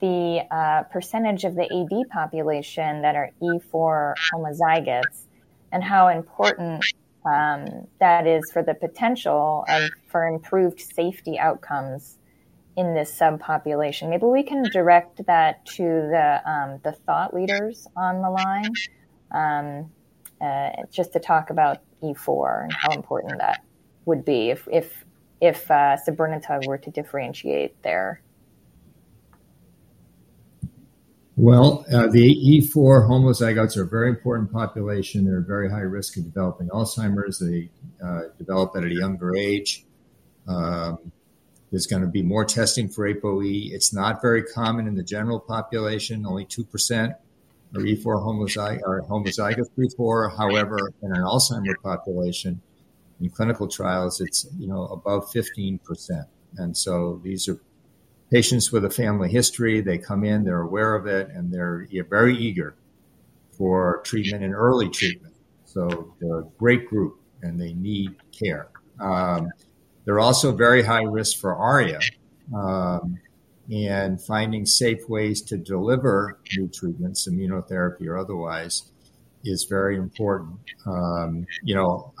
the percentage of the AD population that are E4 homozygotes, and how important that is for the potential and for improved safety outcomes in this subpopulation. Maybe we can direct that to the thought leaders on the line, just to talk about E4 and how important that would be if sabirnetug were to differentiate there. The E4 homozygotes are a very important population. They're at very high risk of developing Alzheimer's. They develop at a younger age. There's gonna be more testing for APOE. It's not very common in the general population, only 2% are homozygotes E4. However, in an Alzheimer's population, in clinical trials, it's, you know, above 15%, and so these are patients with a family history. They come in, they're aware of it, and they're, yeah, very eager for treatment and early treatment. So they're a great group, and they need care. They're also very high risk for ARIA, and finding safe ways to deliver new treatments, immunotherapy or otherwise, is very important. You know,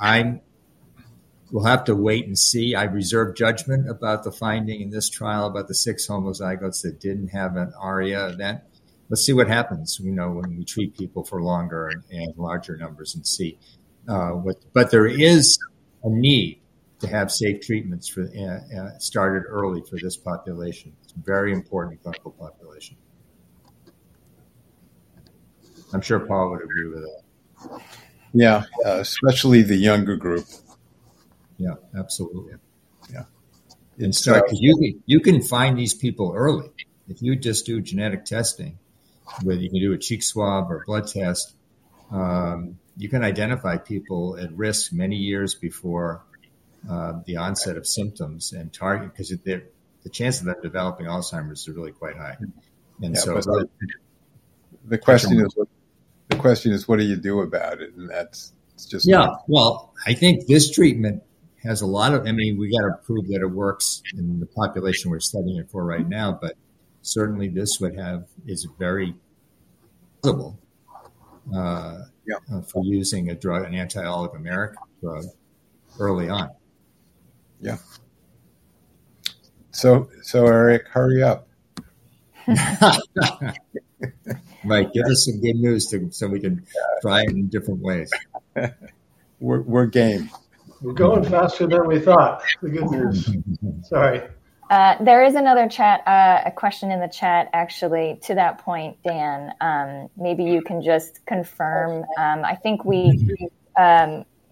we'll have to wait and see. I reserve judgment about the finding in this trial, about the six homozygotes that didn't have an ARIA event. Let's see what happens, you know, when we treat people for longer and larger numbers and see what. But there is a need to have safe treatments started early for this population. It's a very important clinical population. I'm sure Paul would agree with that. Yeah, especially the younger group. Yeah, absolutely. Yeah. And so you can find these people early. If you just do genetic testing, whether you can do a cheek swab or blood test, you can identify people at risk many years before the onset of symptoms and target, 'cause the chance of them developing Alzheimer's are really quite high. And so- The question is, what do you do about it? And that's just- Yeah, well, I think this treatment has a lot of... I mean, we gotta prove that it works in the population we're studying it for right now, but certainly, this would have, is very critical Yeah ...for using a drug, an anti-oligomeric drug early on. Yeah. So, Eric, hurry up. Right. Give us some good news so we can try it in different ways. We're game. We're going faster than we thought. The good news. Sorry. There is another chat, a question in the chat, actually, to that point, Dan. Maybe you can just confirm. I think we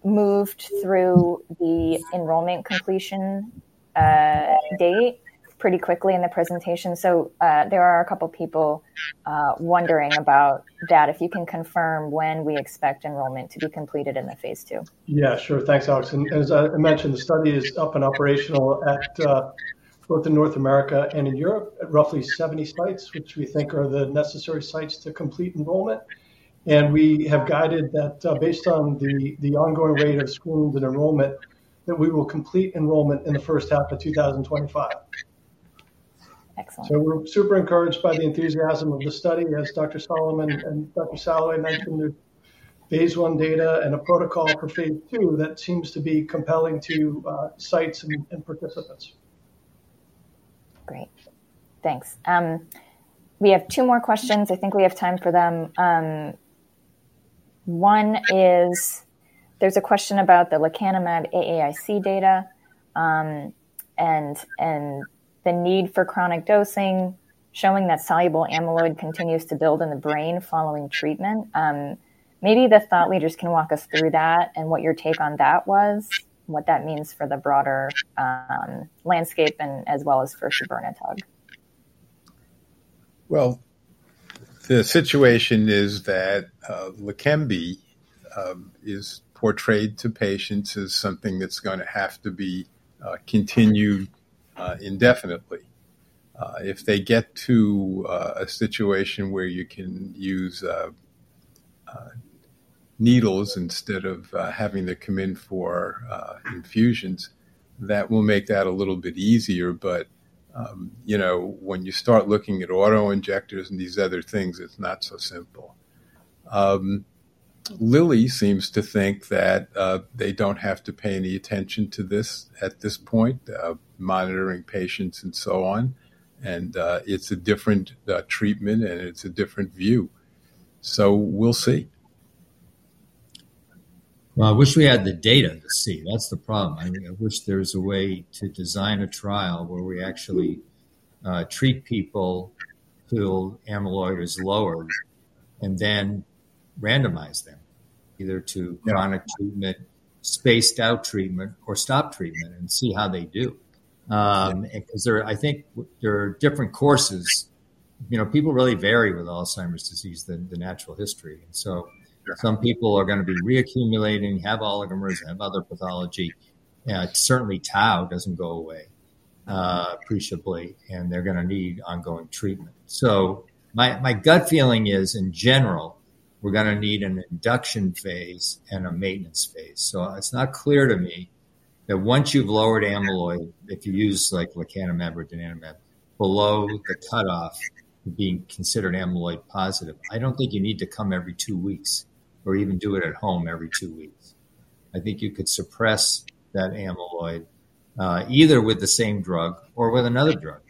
moved through the enrollment completion date pretty quickly in the presentation. So, there are a couple of people wondering about that. If you can confirm when we expect enrollment to be completed in the phase II. Yeah, sure. Thanks, Alex. And as I mentioned, the study is up and operational at both in North America and in Europe, at roughly 70 sites, which we think are the necessary sites to complete enrollment. And we have guided that, based on the ongoing rate of screening and enrollment, that we will complete enrollment in the first half of 2025. Excellent. We're super encouraged by the enthusiasm of the study, as Dr. Solomon and Dr. Salloway mentioned, the phase I data and a protocol for phase II that seems to be compelling to sites and participants. Great. Thanks. We have two more questions. I think we have time for them. One is, there's a question about the lecanemab AAIC data, and the need for chronic dosing, showing that soluble amyloid continues to build in the brain following treatment. Maybe the thought leaders can walk us through that and what your take on that was, what that means for the broader landscape and as well as for sabirnetug. The situation is that Leqembi is portrayed to patients as something that's gonna have to be continued indefinitely. If they get to a situation where you can use needles instead of having to come in for infusions, that will make that a little bit easier, but you know, when you start looking at auto-injectors and these other things, it's not so simple. Lilly seems to think that they don't have to pay any attention to this at this point, monitoring patients and so on, and it's a different treatment, and it's a different view, so we'll see. I wish we had the data to see. That's the problem. I mean, I wish there was a way to design a trial where we actually treat people till amyloid is lowered, and then randomize them, either to chronic treatment- Yeah... spaced out treatment or stop treatment and see how they do. And 'cause there-- I think there are different courses. You know, people really vary with Alzheimer's disease than the natural history. So- Yeah... some people are gonna be reaccumulating, have oligomers, have other pathology. Certainly, tau doesn't go away, appreciably, and they're gonna need ongoing treatment. So my gut feeling is, in general, we're gonna need an induction phase and a maintenance phase. So it's not clear to me that once you've lowered amyloid, if you use like lecanemab or donanemab, below the cutoff being considered amyloid positive, I don't think you need to come every two weeks or even do it at home every two weeks. I think you could suppress that amyloid, either with the same drug or with another drug,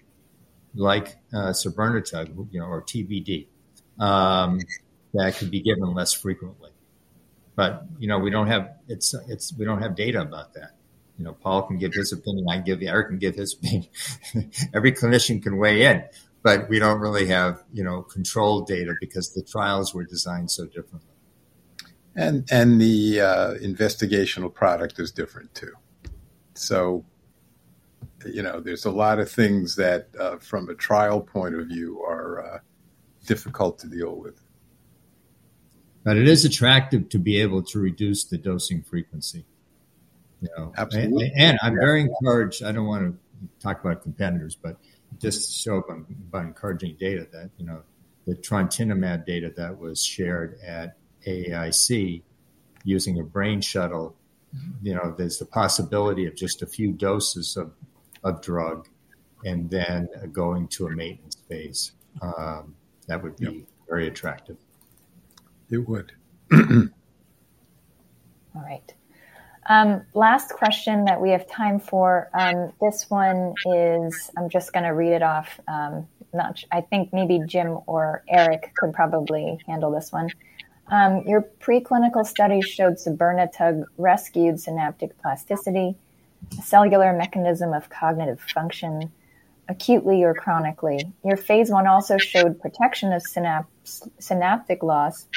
like, sabirnetug, you know, or TBD, that could be given less frequently. But, you know, we don't have data about that. You know, Paul can give his opinion, I can give, Eric can give his opinion. Every clinician can weigh in, but we don't really have, you know, controlled data because the trials were designed so differently. And the investigational product is different, too. So, you know, there's a lot of things that from a trial point of view are difficult to deal with. But it is attractive to be able to reduce the dosing frequency, you know? Absolutely. I'm very encouraged. I don't wanna talk about competitors, but just to show up on, by encouraging data that, you know, the trontinemab data that was shared at AAIC using a Brainshuttle, you know, there's a possibility of just a few doses of drug and then going to a maintenance phase. That would be- Yeah... very attractive. It would. All right. Last question that we have time for, this one is. I'm just gonna read it off. I think maybe Jim or Eric could probably handle this one. "Your preclinical studies showed sabirnetug rescued synaptic plasticity, cellular mechanism of cognitive function, acutely or chronically. Your phase I also showed protection of synapse, synaptic loss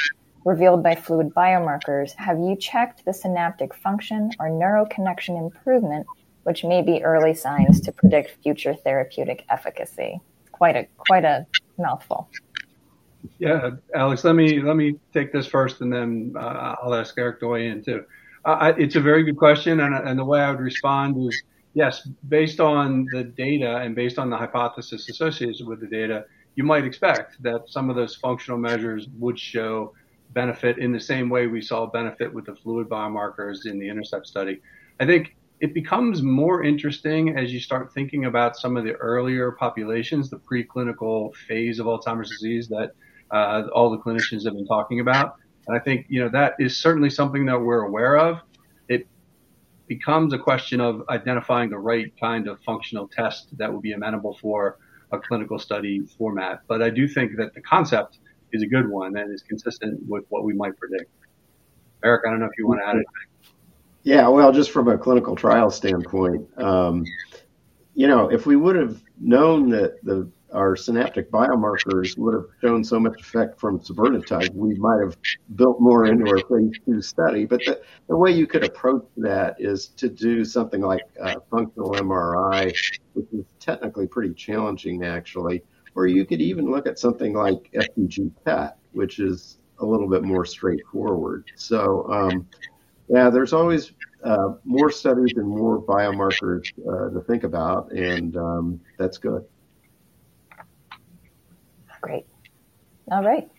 revealed by fluid biomarkers. Have you checked the synaptic function or neuroconnection improvement, which may be early signs to predict future therapeutic efficacy?" Quite a mouthful. Yeah, Alex, let me, let me take this first, and then, I'll ask Eric to weigh in, too. It's a very good question, and the way I would respond is, yes, based on the data and based on the hypothesis associated with the data, you might expect that some of those functional measures would show benefit in the same way we saw benefit with the fluid biomarkers in the INTERCEPT study. I think it becomes more interesting as you start thinking about some of the earlier populations, the preclinical phase of Alzheimer's disease that all the clinicians have been talking about. And I think, you know, that is certainly something that we're aware of. It becomes a question of identifying the right kind of functional test that would be amenable for a clinical study format. But I do think that the concept is a good one and is consistent with what we might predict. Eric, I don't know if you wanna add anything? Yeah, well, just from a clinical trial standpoint, you know, if we would've known that the, our synaptic biomarkers would've shown so much effect from sabirnetug, we might have built more into our phase II study. But the way you could approach that is to do something like, functional MRI, which is technically pretty challenging, actually. Or you could even look at something like FDG PET, which is a little bit more straightforward. So, yeah, there's always, more studies and more biomarkers, to think about, and, that's good. Great. All right.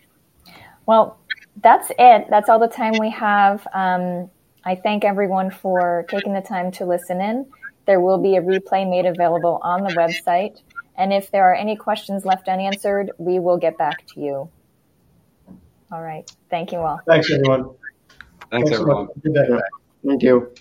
Well, that's it. That's all the time we have. I thank everyone for taking the time to listen in. There will be a replay made available on the website, and if there are any questions left unanswered, we will get back to you. All right. Thank you, all. Thanks, everyone. Thank you. Thanks, everyone. Thank you.